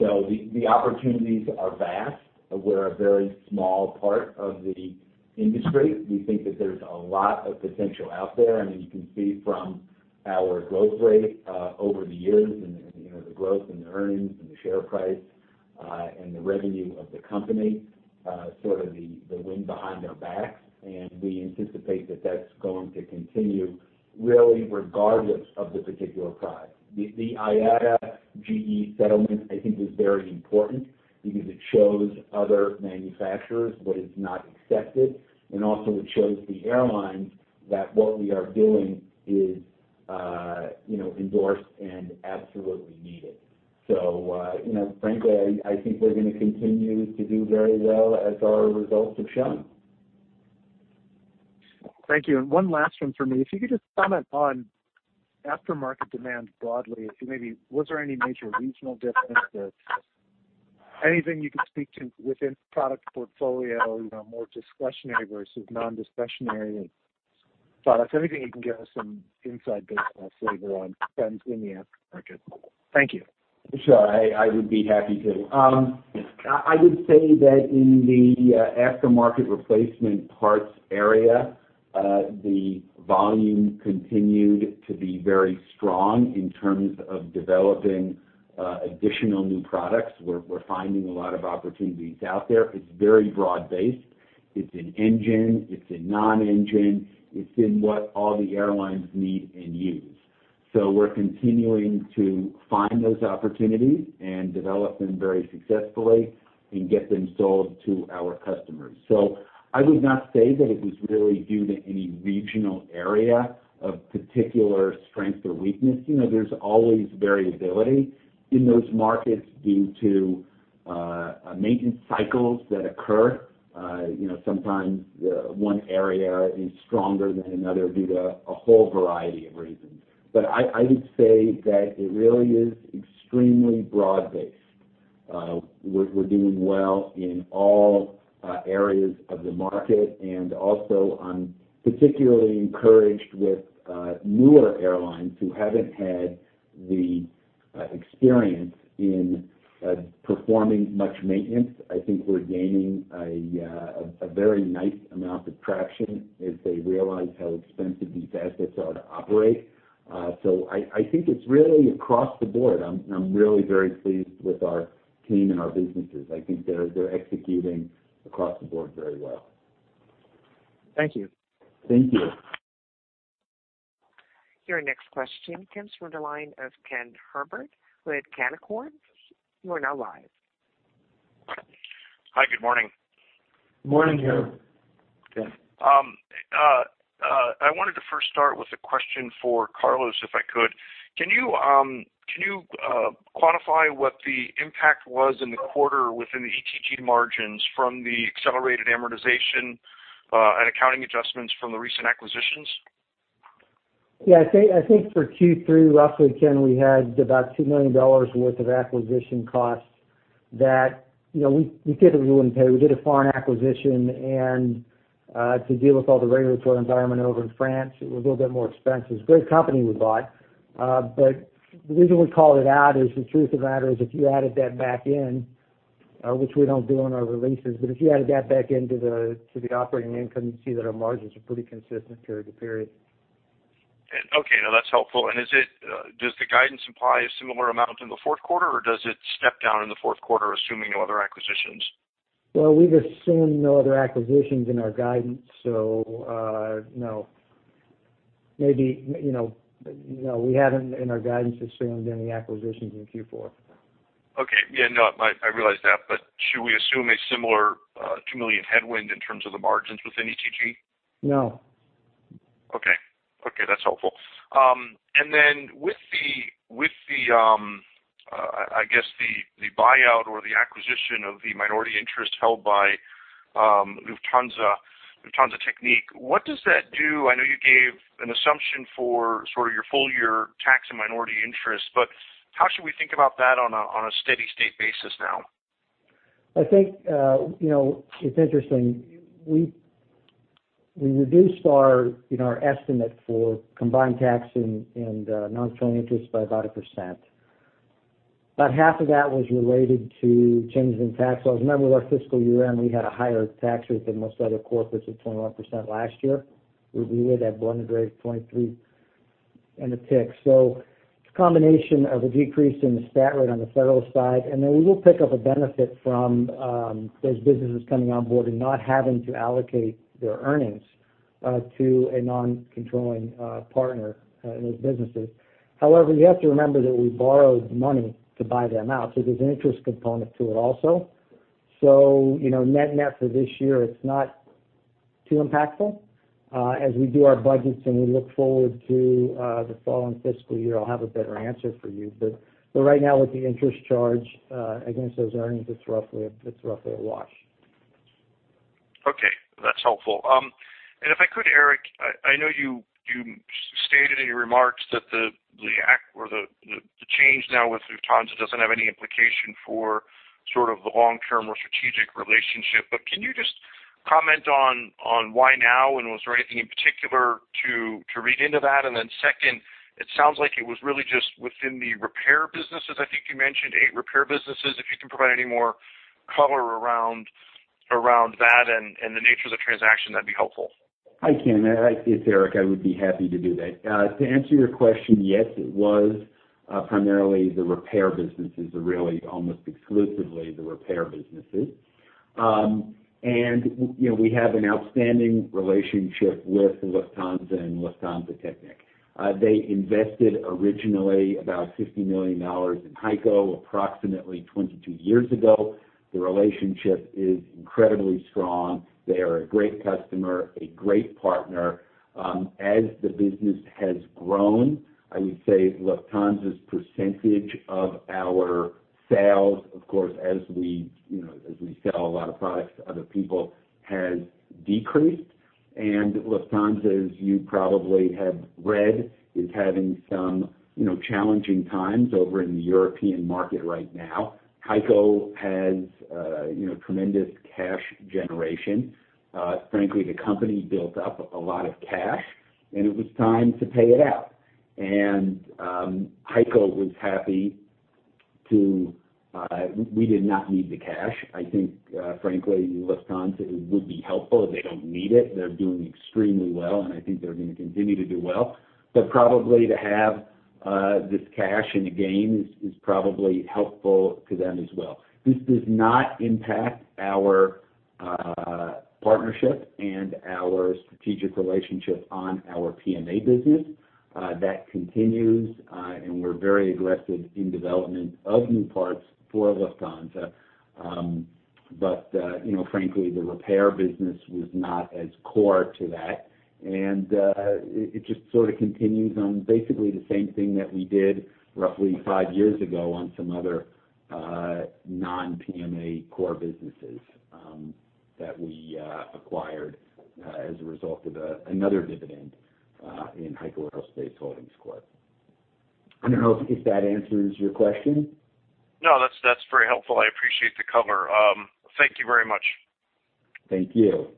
C: The opportunities are vast. We're a very small part of the industry. We think that there's a lot of potential out there. You can see from our growth rate over the years, and the growth in the earnings, and the share price, and the revenue of the company, sort of the wind behind our backs, and we anticipate that that's going to continue, really regardless of the particular product. The IATA-GE settlement, I think, is very important because it shows other manufacturers what is not accepted, and also it shows the airlines that what we are doing is endorsed and absolutely needed. Frankly, I think we're going to continue to do very well as our results have shown.
G: Thank you. One last one from me. If you could just comment on aftermarket demand broadly. Was there any major regional difference, anything you could speak to within product portfolio, more discretionary versus non-discretionary products? Anything you can give us some insight based on flavor on trends in the aftermarket? Thank you.
C: Sure. I would be happy to. I would say that in the aftermarket replacement parts area, the volume continued to be very strong in terms of developing additional new products. We're finding a lot of opportunities out there. It's very broad-based. It's in engine, it's in non-engine, it's in what all the airlines need and use. We're continuing to find those opportunities and develop them very successfully and get them sold to our customers. I would not say that it was really due to any regional area of particular strength or weakness. There's always variability in those markets due to maintenance cycles that occur. Sometimes one area is stronger than another due to a whole variety of reasons. I would say that it really is extremely broad-based. We're doing well in all areas of the market, and also I'm particularly encouraged with newer airlines who haven't had the experience in performing much maintenance. I think we're gaining a very nice amount of traction as they realize how expensive these assets are to operate. I think it's really across the board. I'm really very pleased with our team and our businesses. I think they're executing across the board very well.
G: Thank you.
C: Thank you.
A: Your next question comes from the line of Ken Herbert with Canaccord. You are now live.
H: Hi, good morning.
C: Morning, Ken.
H: I wanted to first start with a question for Carlos, if I could. Can you quantify what the impact was in the quarter within the ETG margins from the accelerated amortization and accounting adjustments from the recent acquisitions?
I: Yeah, I think for Q3, roughly, Ken, we had about $2 million worth of acquisition costs that we typically wouldn't pay. We did a foreign acquisition, and to deal with all the regulatory environment over in France, it was a little bit more expensive. It's a great company we bought. The reason we called it out is the truth of the matter is if you added that back in, which we don't do on our releases, but if you added that back into the operating income, you'd see that our margins are pretty consistent period to period.
H: Okay. No, that's helpful. Does the guidance imply a similar amount in the fourth quarter, or does it step down in the fourth quarter, assuming no other acquisitions?
C: Well, we've assumed no other acquisitions in our guidance, so no.
I: Maybe we have in our guidance assumed any acquisitions in Q4.
H: Okay. Yeah, no, I realize that. Should we assume a similar $2 million headwind in terms of the margins within ETG?
I: No.
H: Okay. That's helpful. With the buyout or the acquisition of the minority interest held by Lufthansa Technik, what does that do? I know you gave an assumption for sort of your full year tax and minority interest, how should we think about that on a steady state basis now?
I: I think, it's interesting. We reduced our estimate for combined tax and non-controlling interest by about a percent. About half of that was related to changes in tax laws. Remember, with our fiscal year-end, we had a higher tax rate than most other corporates of 21% last year. We would have blended rate of 23% and a tick. It's a combination of a decrease in the stat rate on the federal side, and then we will pick up a benefit from those businesses coming on board and not having to allocate their earnings to a non-controlling partner in those businesses. However, you have to remember that we borrowed money to buy them out, there's an interest component to it also. Net-net for this year, it's not too impactful. As we do our budgets and we look forward to the following fiscal year, I'll have a better answer for you. Right now, with the interest charge against those earnings, it's roughly a wash.
H: Okay. That's helpful. If I could, Eric, I know you stated in your remarks that the act or the change now with Lufthansa doesn't have any implication for sort of the long-term or strategic relationship. Can you just comment on why now, and was there anything in particular to read into that? Second, it sounds like it was really just within the repair businesses. I think you mentioned eight repair businesses. If you can provide any more color around that and the nature of the transaction, that'd be helpful.
C: I can. It's Eric. I would be happy to do that. To answer your question, yes, it was primarily the repair businesses, really almost exclusively the repair businesses. We have an outstanding relationship with Lufthansa and Lufthansa Technik. They invested originally about $50 million in HEICO approximately 22 years ago. The relationship is incredibly strong. They are a great customer, a great partner. As the business has grown, I would say Lufthansa's percentage of our sales, of course, as we sell a lot of products to other people, has decreased. Lufthansa, as you probably have read, is having some challenging times over in the European market right now. HEICO has tremendous cash generation. Frankly, the company built up a lot of cash, and it was time to pay it out. We did not need the cash. I think, frankly, Lufthansa, it would be helpful. They don't need it. They're doing extremely well, and I think they're going to continue to do well. Probably to have this cash and the gains is probably helpful to them as well. This does not impact our partnership and our strategic relationship on our PMA business. That continues, and we're very aggressive in development of new parts for Lufthansa. Frankly, the repair business was not as core to that, and it just sort of continues on basically the same thing that we did roughly five years ago on some other non-PMA core businesses that we acquired as a result of another dividend in HEICO Aerospace Holdings Corp. I don't know if that answers your question.
H: No, that's very helpful. I appreciate the color. Thank you very much.
C: Thank you.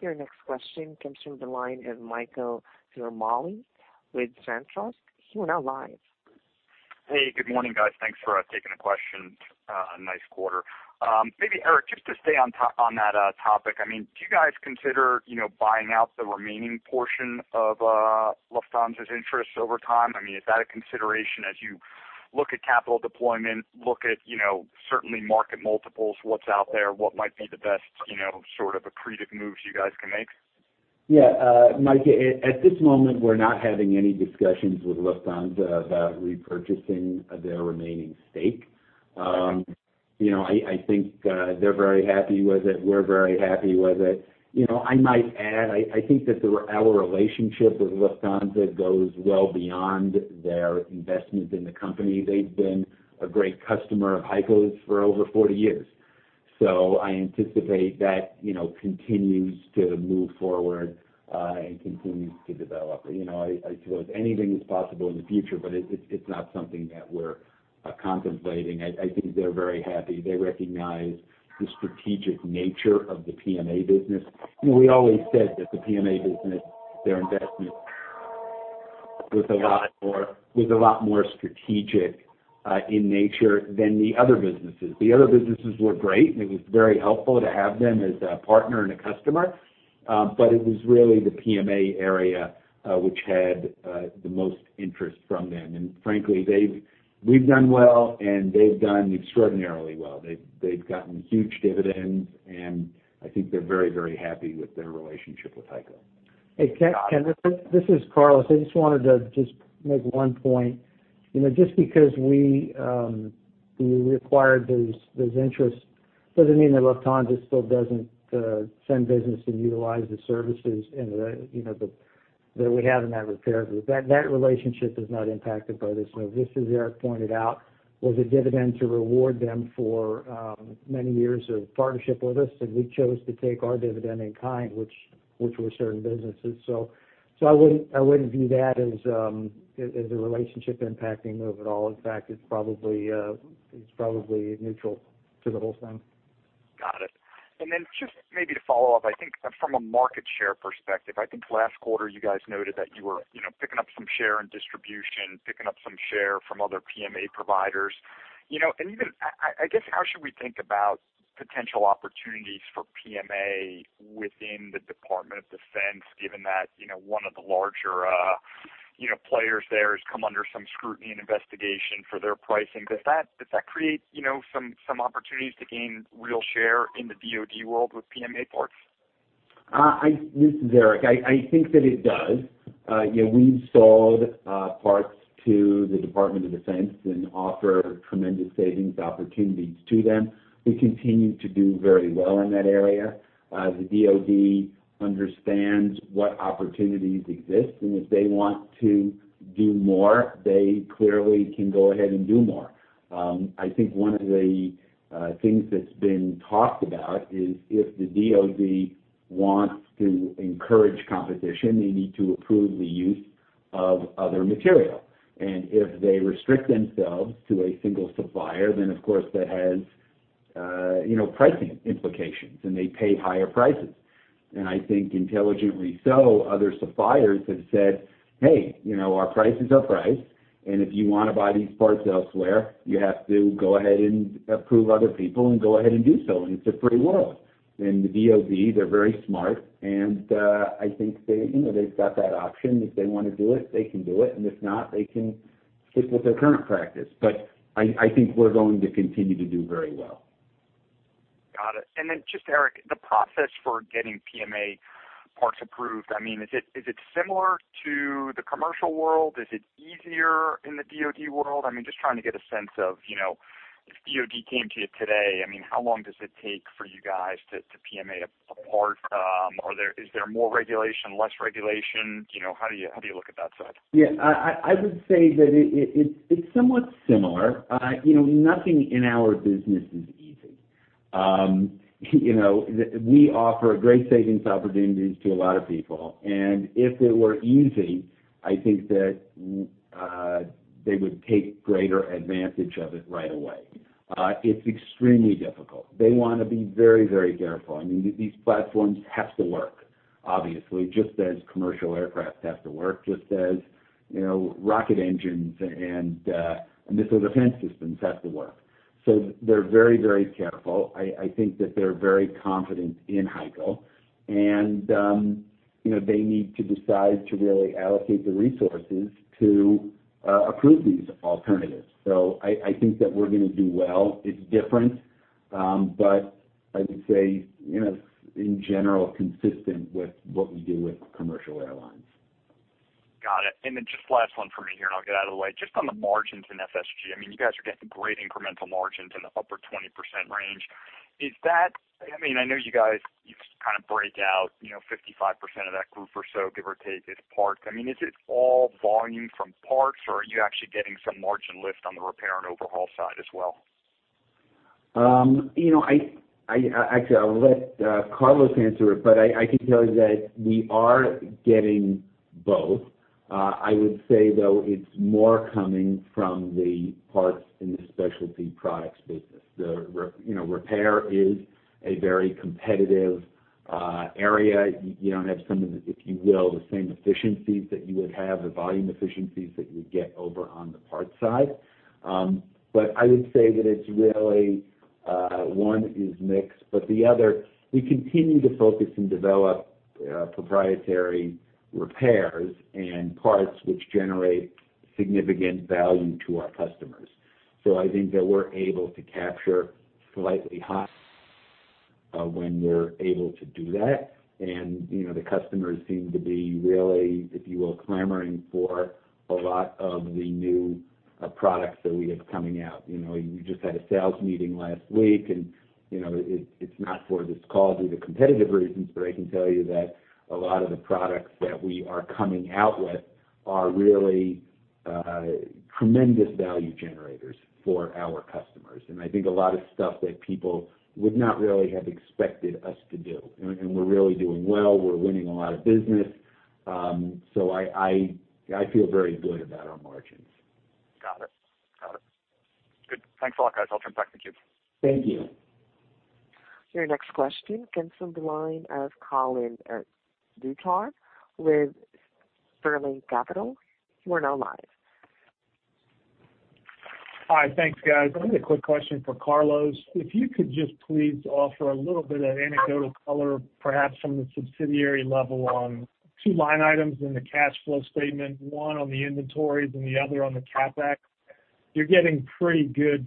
A: Your next question comes through the line of Michael Ciarmoli with SunTrust. He is now live.
J: Hey, good morning, guys. Thanks for taking the question. Nice quarter. Maybe Eric, just to stay on that topic, do you guys consider buying out the remaining portion of Lufthansa's interest over time? Is that a consideration as you look at capital deployment, look at certainly market multiples, what's out there, what might be the best sort of accretive moves you guys can make?
C: Mike, at this moment, we're not having any discussions with Lufthansa about repurchasing their remaining stake. I think they're very happy with it. We're very happy with it. I might add, I think that our relationship with Lufthansa goes well beyond their investment in the company. They've been a great customer of HEICO's for over 40 years. I anticipate that continues to move forward and continues to develop. I suppose anything is possible in the future, it's not something that we're contemplating. I think they're very happy. They recognize the strategic nature of the PMA business. We always said that the PMA business, their investment was a lot more strategic in nature than the other businesses. The other businesses were great, it was very helpful to have them as a partner and a customer. It was really the PMA area, which had the most interest from them. Frankly, we've done well, and they've done extraordinarily well. They've gotten huge dividends, and I think they're very happy with their relationship with HEICO.
I: Hey, Ken. This is Carlos. I just wanted to just make one point. Just because we acquired those interests doesn't mean that Lufthansa still doesn't send business and utilize the services that we have in that repair group. That relationship is not impacted by this move. This, as Eric pointed out, was a dividend to reward them for many years of partnership with us, and we chose to take our dividend in kind, which were certain businesses. I wouldn't view that as a relationship impacting move at all. In fact, it's probably neutral to the whole thing.
J: Got it. Just maybe to follow up, I think from a market share perspective, I think last quarter you guys noted that you were picking up some share in distribution, picking up some share from other PMA providers. I guess, how should we think about potential opportunities for PMA within the Department of Defense, given that one of the larger players there has come under some scrutiny and investigation for their pricing. Does that create some opportunities to gain real share in the DoD world with PMA parts?
C: This is Eric. I think that it does. We've sold parts to the Department of Defense and offer tremendous savings opportunities to them. We continue to do very well in that area. The DoD understands what opportunities exist, and if they want to do more, they clearly can go ahead and do more. I think one of the things that's been talked about is if the DoD wants to encourage competition, they need to approve the use of other material. If they restrict themselves to a single supplier, then, of course, that has pricing implications, and they pay higher prices. I think intelligently so, other suppliers have said, "Hey, our price is our price, and if you want to buy these parts elsewhere, you have to go ahead and approve other people and go ahead and do so, and it's a free world." The DoD, they're very smart, and I think they've got that option. If they want to do it, they can do it, and if not, they can stick with their current practice. I think we're going to continue to do very well.
J: Got it. Just, Eric, the process for getting PMA parts approved, is it similar to the commercial world? Is it easier in the DoD world? Just trying to get a sense of, if DoD came to you today, how long does it take for you guys to PMA a part? Is there more regulation, less regulation? How do you look at that side?
C: I would say that it's somewhat similar. Nothing in our business is easy. We offer great savings opportunities to a lot of people. If it were easy, I think that they would take greater advantage of it right away. It's extremely difficult. They want to be very careful. These platforms have to work, obviously, just as commercial aircraft have to work, just as rocket engines and missile defense systems have to work. They're very careful. I think that they're very confident in HEICO. They need to decide to really allocate the resources to approve these alternatives. I think that we're going to do well. It's different. I would say, in general, consistent with what we do with commercial airlines.
J: Got it. Just last one from me here, and I'll get out of the way. Just on the margins in FSG, you guys are getting great incremental margins in the upper 20% range. I know you guys kind of break out 55% of that group or so, give or take, as parts. Is it all volume from parts or are you actually getting some margin lift on the repair and overhaul side as well?
C: Actually, I'll let Carlos answer it, but I can tell you that we are getting both. I would say, though, it's more coming from the parts and the Specialty Products business. The repair is a very competitive area. You don't have some of the, if you will, the same efficiencies that you would have, the volume efficiencies that you would get over on the parts side. I would say that it's really, one is mix, but the other, we continue to focus and develop proprietary repairs and parts which generate significant value to our customers. I think that we're able to capture slightly high when we're able to do that, and the customers seem to be really, if you will, clamoring for a lot of the new products that we have coming out. We just had a sales meeting last week, and it's not for this call due to competitive reasons, but I can tell you that a lot of the products that we are coming out with are really tremendous value generators for our customers, and I think a lot of stuff that people would not really have expected us to do. We're really doing well. We're winning a lot of business. I feel very good about our margins.
J: Got it. Good. Thanks a lot, guys. I'll turn it back to you.
C: Thank you.
A: Your next question comes from the line of Colin Ducharme with Sterling Capital. You are now live.
K: Hi. Thanks, guys. I have a quick question for Carlos. If you could just please offer a little bit of anecdotal color, perhaps from the subsidiary level on two line items in the cash flow statement, one on the inventories and the other on the CapEx. You're getting pretty good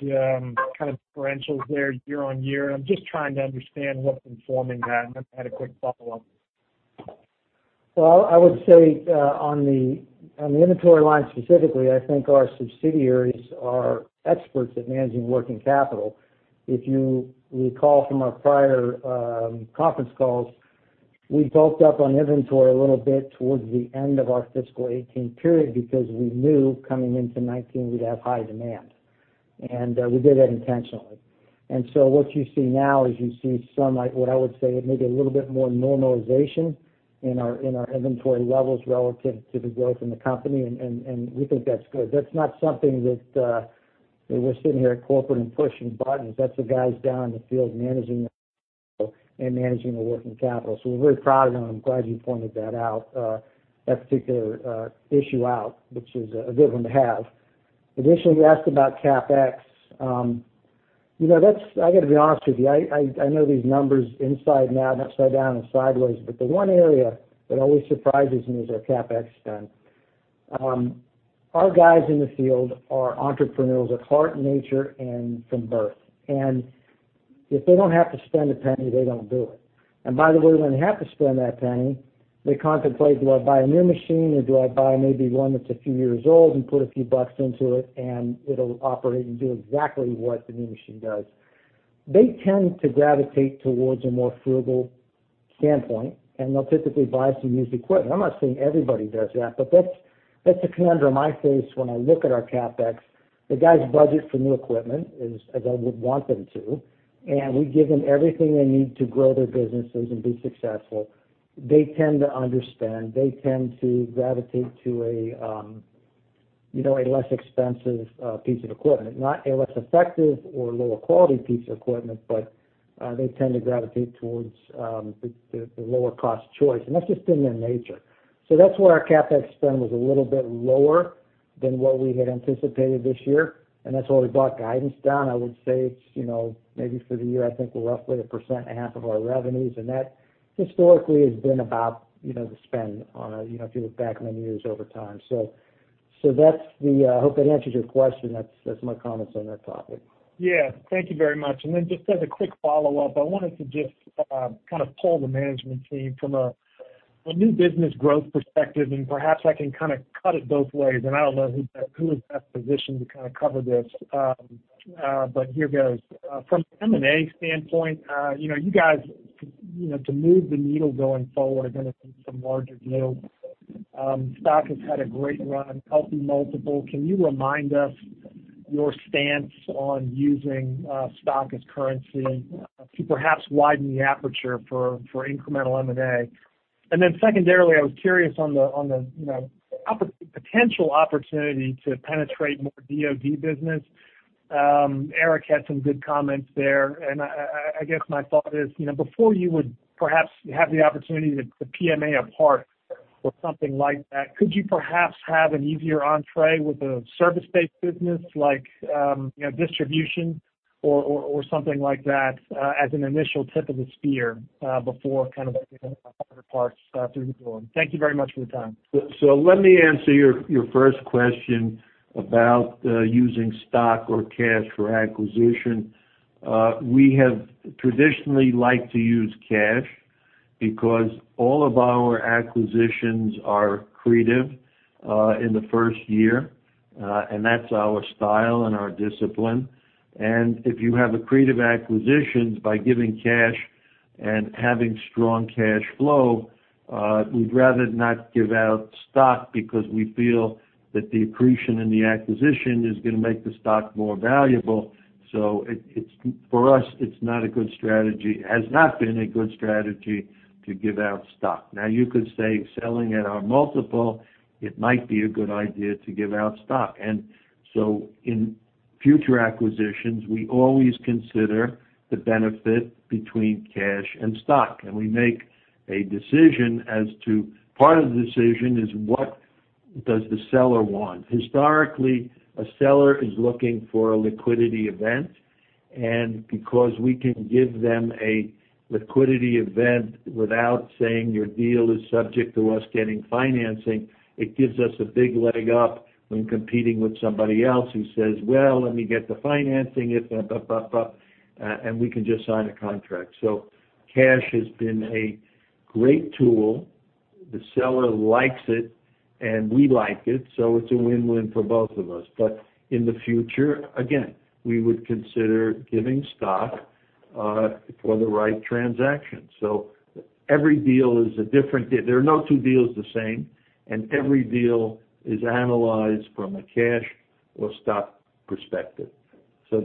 K: kind of differentials there year-on-year, and I'm just trying to understand what's informing that, and I had a quick follow-up.
I: Well, I would say on the inventory line specifically, I think our subsidiaries are experts at managing working capital. If you recall from our prior conference calls, we bulked up on inventory a little bit towards the end of our fiscal 2018 period because we knew coming into 2019 we'd have high demand. We did that intentionally. What you see now is you see some, what I would say, maybe a little bit more normalization in our inventory levels relative to the growth in the company, and we think that's good. That's not something that we're sitting here at corporate and pushing buttons. That's the guys down in the field managing their capital and managing the working capital. We're very proud of them. I'm glad you pointed that out, that particular issue out, which is a good one to have. Additionally, you asked about CapEx. I got to be honest with you. I know these numbers inside and out and upside down and sideways, but the one area that always surprises me is our CapEx spend. Our guys in the field are entrepreneurs at heart, nature and from birth. If they don't have to spend a penny, they don't do it. By the way, when they have to spend that penny, they contemplate, do I buy a new machine or do I buy maybe one that's a few years old and put a few bucks into it and it'll operate and do exactly what the new machine does? They tend to gravitate towards a more frugal standpoint, and they'll typically buy some used equipment. I'm not saying everybody does that, but that's the conundrum I face when I look at our CapEx. The guys budget for new equipment, as I would want them to, and we give them everything they need to grow their businesses and be successful. They tend to understand, they tend to gravitate to a less expensive piece of equipment, not a less effective or lower quality piece of equipment, but they tend to gravitate towards the lower cost choice. That's just in their nature. That's why our CapEx spend was a little bit lower than what we had anticipated this year, and that's why we brought guidance down. I would say it's, maybe for the year, I think roughly 1.5% of our revenues, and that historically has been about the spend on a, if you look back many years over time. I hope that answers your question. That's my comments on that topic.
K: Yeah. Thank you very much. Just as a quick follow-up, I wanted to just kind of poll the management team from a new business growth perspective, and perhaps I can kind of cut it both ways, and I don't know who is best positioned to kind of cover this? Here goes. From an M&A standpoint, you guys, to move the needle going forward are going to need some larger deals. Stock has had a great run, healthy multiple. Can you remind us your stance on using stock as currency to perhaps widen the aperture for incremental M&A? Secondarily, I was curious on the potential opportunity to penetrate more DoD business. Eric had some good comments there, and I guess my thought is, before you would perhaps have the opportunity to PMA a part or something like that, could you perhaps have an easier entree with a service-based business like distribution or something like that as an initial tip of the spear before kind of getting harder parts through the door? Thank you very much for the time.
B: Let me answer your first question about using stock or cash for acquisition. We have traditionally liked to use cash because all of our acquisitions are accretive in the first year, and that's our style and our discipline. If you have accretive acquisitions by giving cash and having strong cash flow, we'd rather not give out stock because we feel that the accretion in the acquisition is going to make the stock more valuable. For us, it's not a good strategy, has not been a good strategy to give out stock. Now, you could say selling at our multiple, it might be a good idea to give out stock. In future acquisitions, we always consider the benefit between cash and stock, and we make a decision as to, part of the decision is what does the seller want? Historically, a seller is looking for a liquidity event. Because we can give them a liquidity event without saying your deal is subject to us getting financing, it gives us a big leg up when competing with somebody else who says, "Well, let me get the financing," and we can just sign a contract. Cash has been a great tool. The seller likes it and we like it. It's a win-win for both of us. In the future, again, we would consider giving stock for the right transaction. Every deal is a different deal. There are no two deals the same. Every deal is analyzed from a cash or stock perspective. I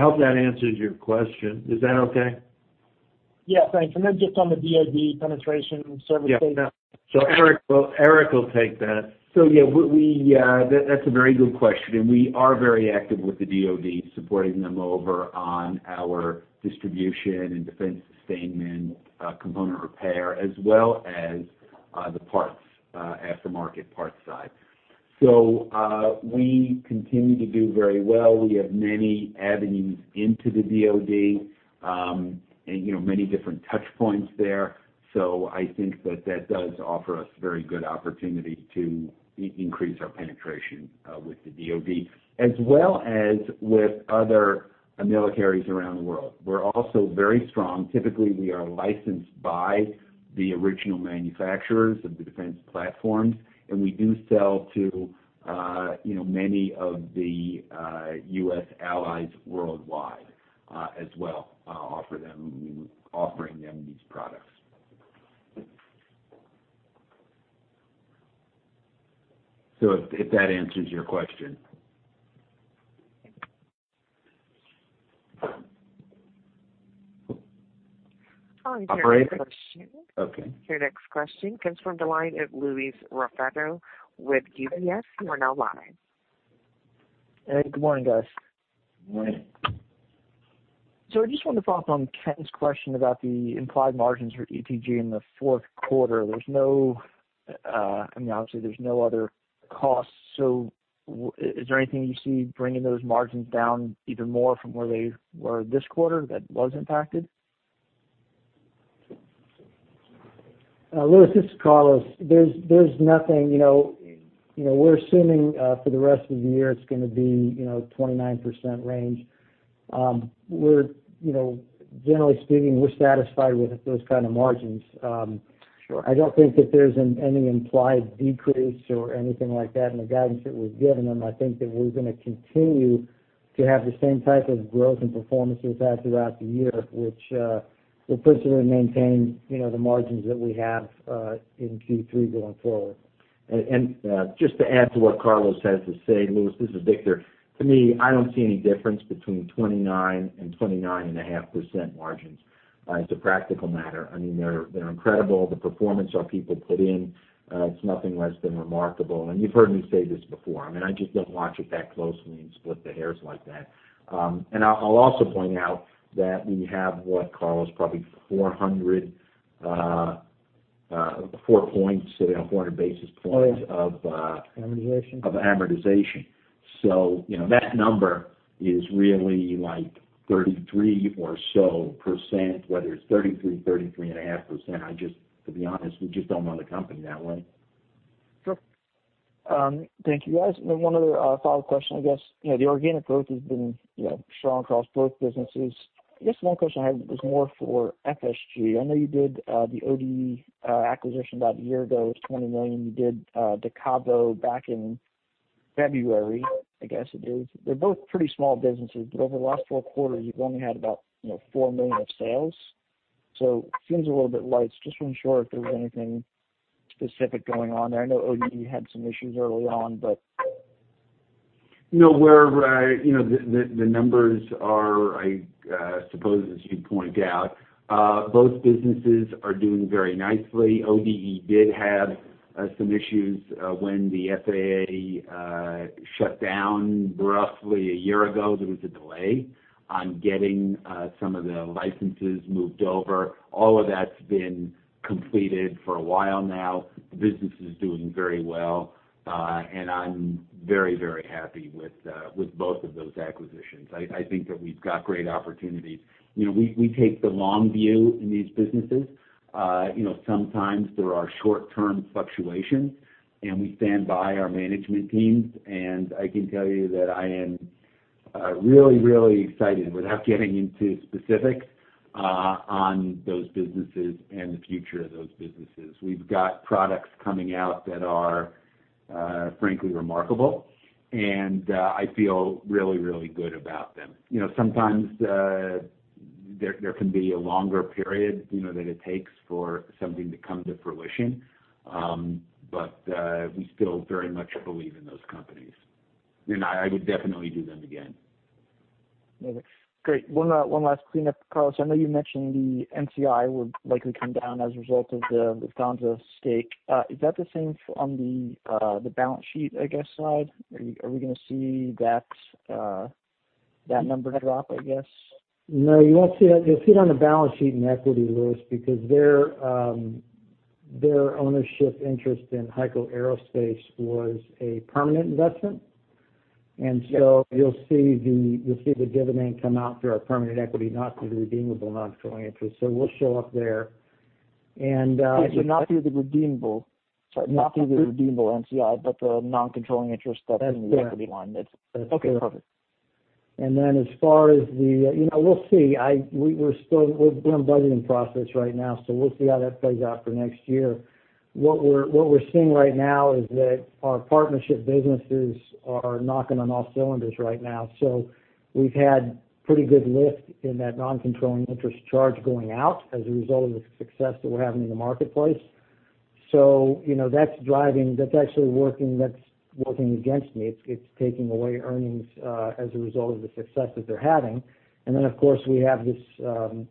B: hope that answers your question. Is that okay?
K: Yeah, thanks. Just on the DoD penetration service-based
B: Yeah. Eric will take that.
C: Yeah, that's a very good question. We are very active with the DoD, supporting them over on our distribution and defense sustainment, component repair, as well as the parts, aftermarket parts side. We continue to do very well. We have many avenues into the DoD, and many different touchpoints there. I think that that does offer us very good opportunity to increase our penetration with the DoD, as well as with other militaries around the world. We're also very strong. Typically, we are licensed by the original manufacturers of the defense platforms, and we do sell to many of the U.S. allies worldwide as well, offering them these products. If that answers your question. Operator?
A: Your next question comes from the line of Louis Raffetto with UBS. You are now live.
L: Hey. Good morning, guys.
C: Morning.
L: I just wanted to follow up on Ken's question about the implied margins for ETG in the fourth quarter. Obviously there's no other costs, is there anything you see bringing those margins down even more from where they were this quarter that was impacted?
I: Louis, this is Carlos. We're assuming for the rest of the year it's going to be 29% range. Generally speaking, we're satisfied with those kind of margins. I don't think that there's any implied decrease or anything like that in the guidance that we've given. I think that we're going to continue to have the same type of growth and performance we've had throughout the year, which will presumably maintain the margins that we have in Q3 going forward.
D: Just to add to what Carlos has to say, Louis, this is Victor. To me, I don't see any difference between 29% and 29.5% margins as a practical matter. They're incredible. The performance our people put in, it's nothing less than remarkable. You've heard me say this before, I just don't watch it that closely and split the hairs like that. I'll also point out that we have what, Carlos? Probably 400 basis points of-
I: Amortization
D: of amortization. That number is really like 33% or so percent, whether it's 33.5%. To be honest, we just don't run the company that way.
L: Sure. Thank you, guys. One other follow-up question, I guess. The organic growth has been strong across both businesses. One question I had was more for FSG. I know you did the ODE acquisition about a year ago. It was $20 million. You did Decavo back in February, I guess it is. They're both pretty small businesses, but over the last four quarters, you've only had about $4 million of sales. Seems a little bit light. Just wanting to ensure if there was anything specific going on there. I know ODE had some issues early on.
D: The numbers are, I suppose, as you point out. Both businesses are doing very nicely. ODE did have some issues when the FAA shut down roughly a year ago. There was a delay on getting some of the licenses moved over. All of that's been completed for a while now. The business is doing very well. I'm very, very happy with both of those acquisitions. I think that we've got great opportunities. We take the long view in these businesses. Sometimes there are short-term fluctuations, and we stand by our management teams, and I can tell you that I am really, really excited, without getting into specifics, on those businesses and the future of those businesses. We've got products coming out that are frankly remarkable, and I feel really, really good about them. Sometimes there can be a longer period that it takes for something to come to fruition. We still very much believe in those companies, and I would definitely do them again.
L: That's great. One last cleanup. Carlos, I know you mentioned the NCI would likely come down as a result of the Lufthansa stake. Is that the same on the balance sheet, I guess, side? Are we going to see that number drop, I guess?
I: No, you won't see that. You'll see it on the balance sheet in equity, Luis, because their ownership interest in HEICO Aerospace was a permanent investment. You'll see the dividend come out through our permanent equity, not through the redeemable non-controlling interest. It will show up there. It should not be through the redeemable.
L: Sorry.
I: Not through the redeemable NCI, but the non-controlling interest stuff in the equity line.
L: That's correct.
I: We'll see. We're in budgeting process right now, so we'll see how that plays out for next year. What we're seeing right now is that our partnership businesses are knocking on all cylinders right now. We've had pretty good lift in that non-controlling interest charge going out as a result of the success that we're having in the marketplace. That's actually working against me. It's taking away earnings as a result of the success that they're having. Of course, we have this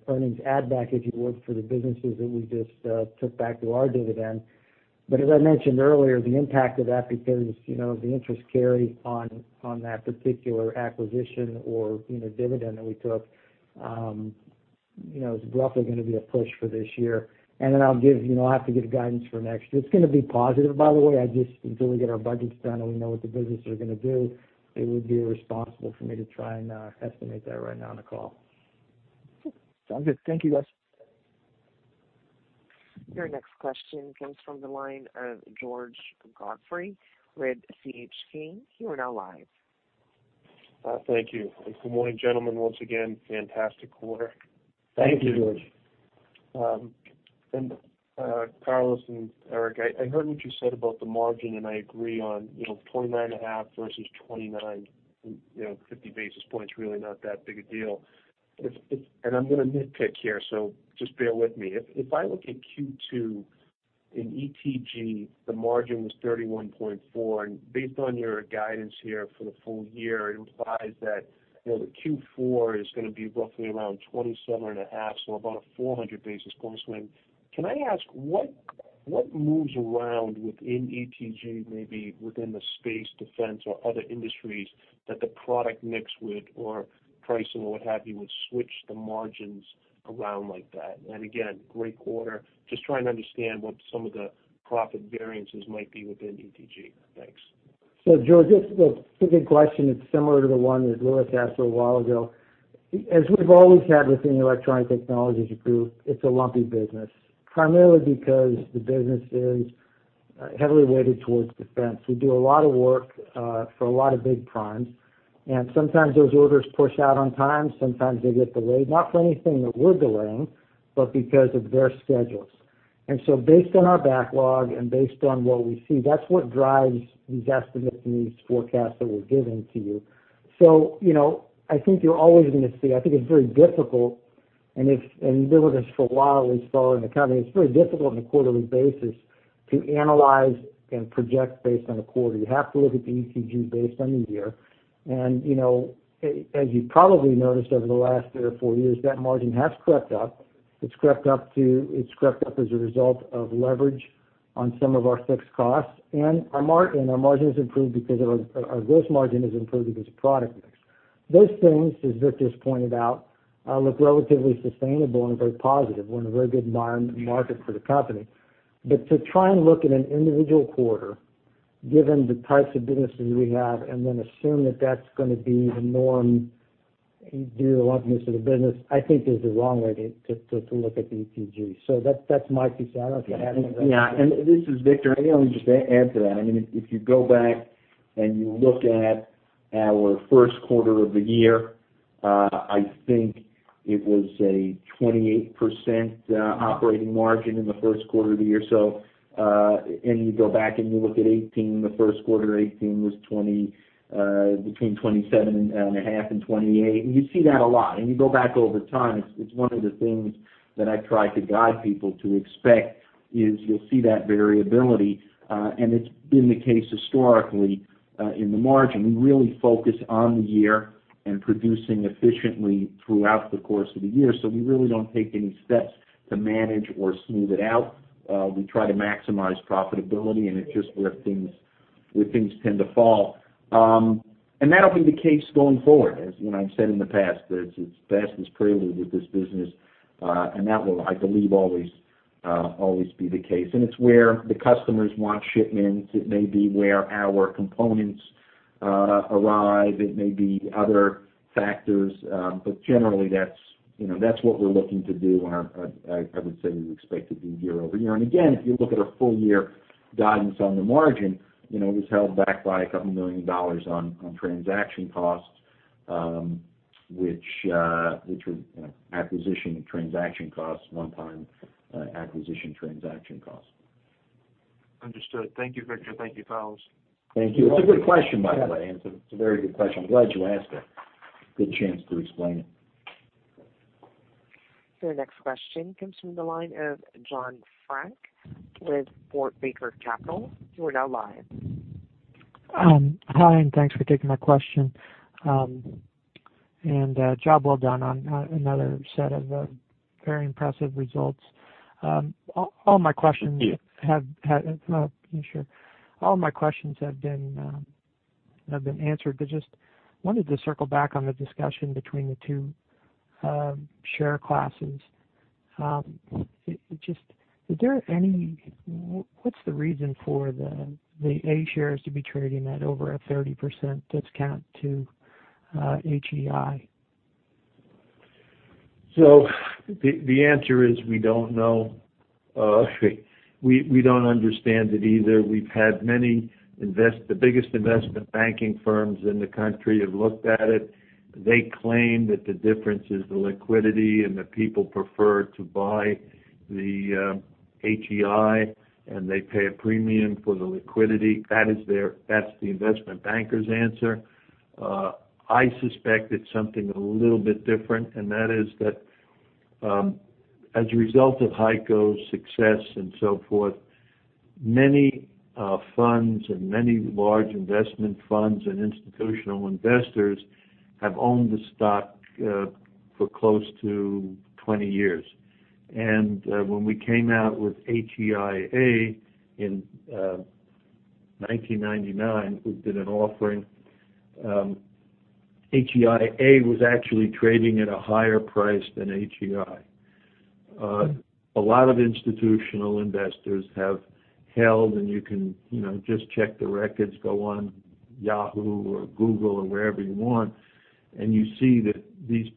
I: earnings add back, if you would, for the businesses that we just took back through our dividend. As I mentioned earlier, the impact of that, because the interest carry on that particular acquisition or dividend that we took. It's roughly going to be a push for this year. I'll have to give guidance for next year. It's going to be positive, by the way. Until we get our budgets done and we know what the businesses are going to do, it would be irresponsible for me to try and estimate that right now on the call.
L: Sounds good. Thank you, guys.
A: Your next question comes from the line of George Godfrey with C.L. King & Associates. You are now live.
M: Thank you, and good morning, gentlemen. Once again, fantastic quarter.
I: Thank you, George.
M: Carlos and Eric, I heard what you said about the margin, I agree on 29.5 basis points versus 29 basis points, 50 basis points, really not that big a deal. I'm going to nitpick here, so just bear with me. If I look at Q2 in ETG, the margin was 31.4%, and based on your guidance here for the full year, it implies that Q4 is going to be roughly around 27.5%, so about a 400 basis points swing. Can I ask what moves around within ETG, maybe within the space, defense, or other industries, that the product mix would or pricing or what have you, would switch the margins around like that? Again, great quarter. Just trying to understand what some of the profit variances might be within ETG. Thanks.
I: George, it's a good question. It's similar to the one that Louis asked a while ago. As we've always had within Electronic Technologies Group, it's a lumpy business, primarily because the business is heavily weighted towards defense. We do a lot of work for a lot of big primes, and sometimes those orders push out on time, sometimes they get delayed, not for anything that we're delaying, but because of their schedules. Based on our backlog and based on what we see, that's what drives these estimates and these forecasts that we're giving to you. I think you're always going to see, I think it's very difficult, and you've been with us for a while, at least following the company. It's very difficult on a quarterly basis to analyze and project based on a quarter. You have to look at the ETG based on the year. As you probably noticed over the last three or four years, that margin has crept up. It's crept up as a result of leverage on some of our fixed costs, and our gross margin has improved because of its product mix. Those things, as Victor's pointed out, look relatively sustainable and very positive. We're in a very good market for the company. To try and look at an individual quarter, given the types of businesses we have, and then assume that that's going to be the norm due to the lumpiness of the business, I think is the wrong way to look at the ETG. That's my piece. I don't know if you have anything.
D: Yeah, this is Victor. I can only just add to that. If you go back and you look at our first quarter of the year, I think it was a 28% operating margin in the first quarter of the year. You go back and you look at 2018, the first quarter 2018 was between 27.5% And 28%. You see that a lot. You go back over time, it's one of the things that I try to guide people to expect is you'll see that variability, and it's been the case historically, in the margin. We really focus on the year and producing efficiently throughout the course of the year. We really don't take any steps to manage or smooth it out. We try to maximize profitability, and it's just where things tend to fall. That'll be the case going forward. As I've said in the past is prelude with this business, and that will, I believe, always be the case. It's where the customers want shipments. It may be where our components arrive, it may be other factors, but generally that's what we're looking to do when I would say we expect to do year-over-year. Again, if you look at our full-year guidance on the margin, it was held back by a couple million dollars on transaction costs, which was acquisition transaction costs, one-time acquisition transaction costs.
M: Understood. Thank you, Victor. Thank you, Carlos.
D: Thank you.
I: You're welcome.
D: It's a good question, by the way. It's a very good question. I'm glad you asked it. Good chance to explain it.
A: Your next question comes from the line of Jon Frank with Fort Baker Capital. You are now live.
N: Hi, and thanks for taking my question. Job well done on another set of very impressive results.
I: Thank you.
N: Sure. All my questions have been answered, but just wanted to circle back on the discussion between the two share classes. What's the reason for the A shares to be trading at over a 30% discount to HEI?
I: The answer is we don't know. We don't understand it either. The biggest investment banking firms in the country have looked at it. They claim that the difference is the liquidity and the people prefer to buy the HEI, and they pay a premium for the liquidity. That's the investment banker's answer. I suspect it's something a little bit different, and that is that, as a result of HEICO's success and so forth, many funds and many large investment funds and institutional investors have owned the stock for close to 20 years. When we came out with HEI.A in-...
B: 1999, we did an offering. HEI.A was actually trading at a higher price than HEI. A lot of institutional investors have held, and you can just check the records, go on Yahoo or Google or wherever you want, and you see that these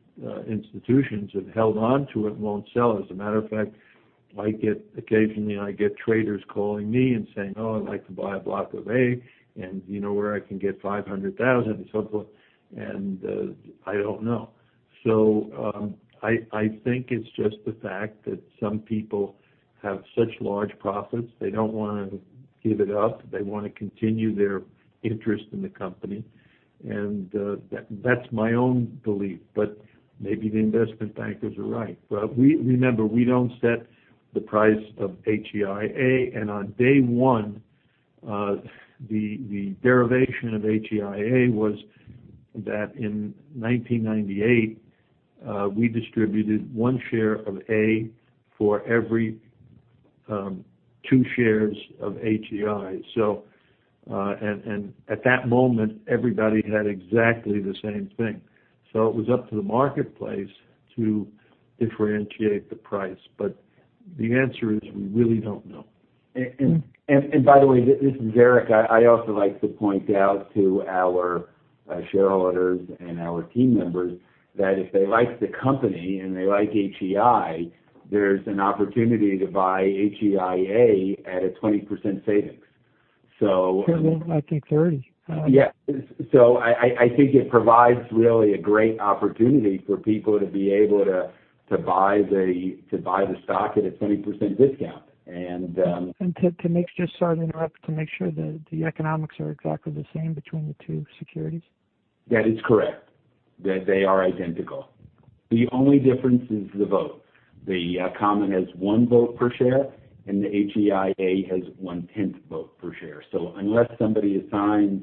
B: institutions have held onto it and won't sell. As a matter of fact, occasionally, I get traders calling me and saying, "Oh, I'd like to buy a block of A, and you know where I can get 500,000?" So forth. I don't know. I think it's just the fact that some people have such large profits, they don't want to give it up. They want to continue their interest in the company. That's my own belief, but maybe the investment bankers are right. Remember, we don't set the price of HEI.A, and on day one, the derivation of HEI.A was that in 1998, we distributed one share of A for every two shares of HEI. At that moment, everybody had exactly the same thing. It was up to the marketplace to differentiate the price. The answer is we really don't know.
C: By the way, this is Eric. I also like to point out to our shareholders and our team members that if they like the company and they like HEI, there's an opportunity to buy HEI.A at a 20% savings.
N: I think 30%.
C: Yeah. I think it provides really a great opportunity for people to be able to buy the stock at a 20% discount.
N: To make sure, the economics are exactly the same between the two securities.
C: That is correct, that they are identical. The only difference is the vote. The common has one vote per share, and the HEI.A has 1/10 vote per share. Unless somebody assigns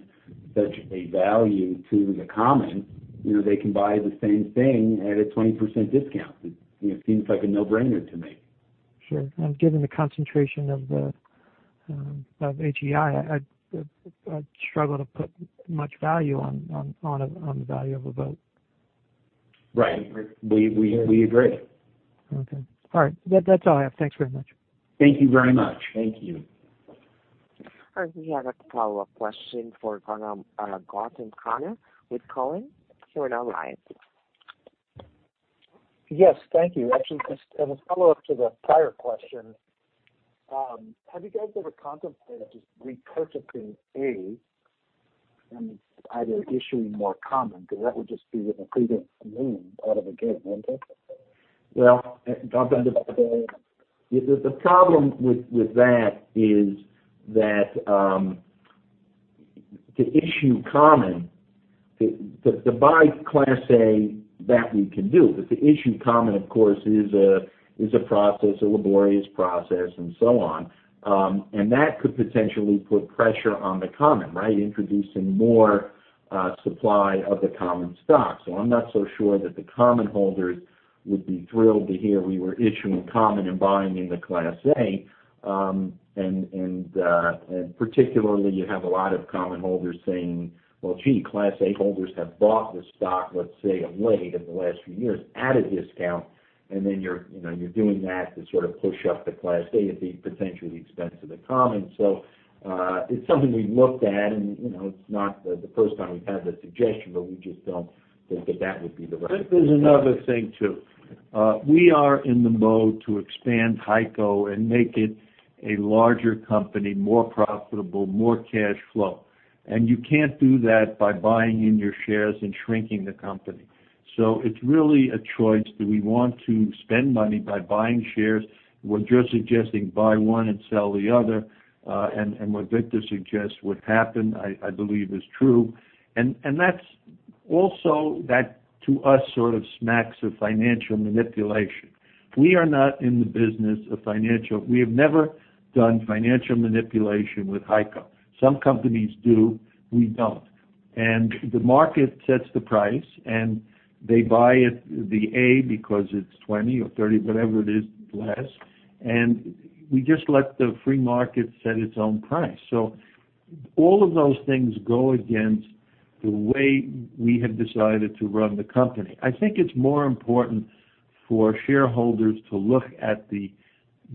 C: such a value to the common, they can buy the same thing at a 20% discount. It seems like a no-brainer to me.
N: Sure. Given the concentration of HEI, I'd struggle to put much value on the value of a vote.
C: Right. We agree.
N: Okay. All right. That's all I have. Thanks very much.
C: Thank you very much.
B: Thank you.
A: All right. We have a follow-up question for Gautam Khanna with CowenJon Frank with Fort Baker Capital who are now live.
G: Yes. Thank you. Actually, just as a follow-up to the prior question, have you guys ever contemplated just repurchasing A and either issuing more common? That would just be an accretive move out of the gate, wouldn't it?
D: Well, the problem with that is that to issue common to buy Class A, that we can do. To issue common, of course, is a laborious process and so on. That could potentially put pressure on the common, right? Introducing more supply of the common stock. I'm not so sure that the common holders would be thrilled to hear we were issuing common and buying in the Class A. Particularly, you have a lot of common holders saying, "Well, gee, Class A holders have bought the stock," let's say, "of late in the last few years at a discount." Then you're doing that to sort of push up the Class A at the potential expense of the common. It's something we've looked at, and it's not the first time we've had that suggestion, but we just don't think that that would be the right-
B: There's another thing, too. We are in the mode to expand HEICO and make it a larger company, more profitable, more cash flow. You can't do that by buying in your shares and shrinking the company. It's really a choice. Do we want to spend money by buying shares? What you're suggesting, buy one and sell the other, and what Victor suggests would happen, I believe is true. Also that, to us, sort of smacks of financial manipulation. We are not in the business of financial manipulation. We have never done financial manipulation with HEICO. Some companies do. We don't. The market sets the price, and they buy the A because it's 20 or 30, whatever it is less, and we just let the free market set its own price. All of those things go against the way we have decided to run the company. I think it's more important for shareholders to look at the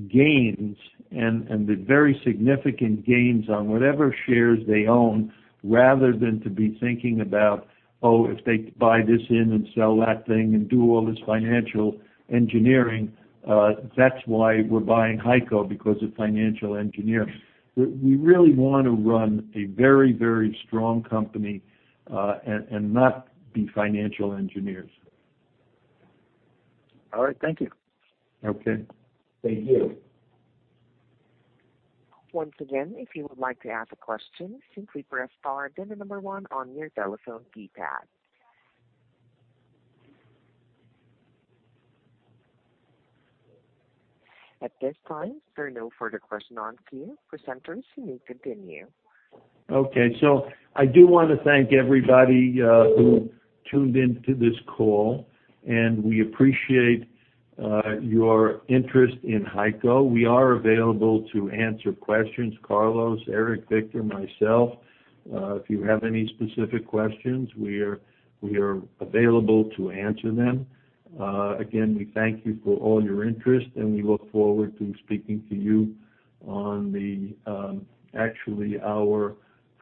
B: gains and the very significant gains on whatever shares they own, rather than to be thinking about, "Oh, if they buy this in and sell that thing and do all this financial engineering, that's why we're buying HEICO, because of financial engineering." We really want to run a very, very strong company, and not be financial engineers.
G: All right. Thank you.
B: Okay.
D: Thank you.
A: Once again, if you would like to ask a question, simply press star, then the number one on your telephone keypad. At this time, there are no further questions on queue. Presenters, you may continue.
B: I do want to thank everybody who tuned into this call, and we appreciate your interest in HEICO. We are available to answer questions, Carlos, Eric, Victor, myself. If you have any specific questions, we are available to answer them. Again, we thank you for all your interest, and we look forward to speaking to you. Actually, our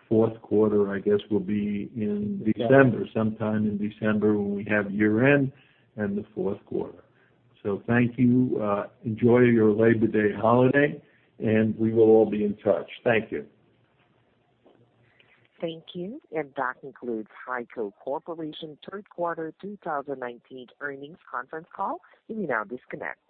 B: fourth quarter, I guess, will be in December, sometime in December, when we have year-end and the fourth quarter. Thank you. Enjoy your Labor Day holiday, and we will all be in touch. Thank you.
A: Thank you. That concludes HEICO Corporation third quarter 2019 earnings conference call. You may now disconnect.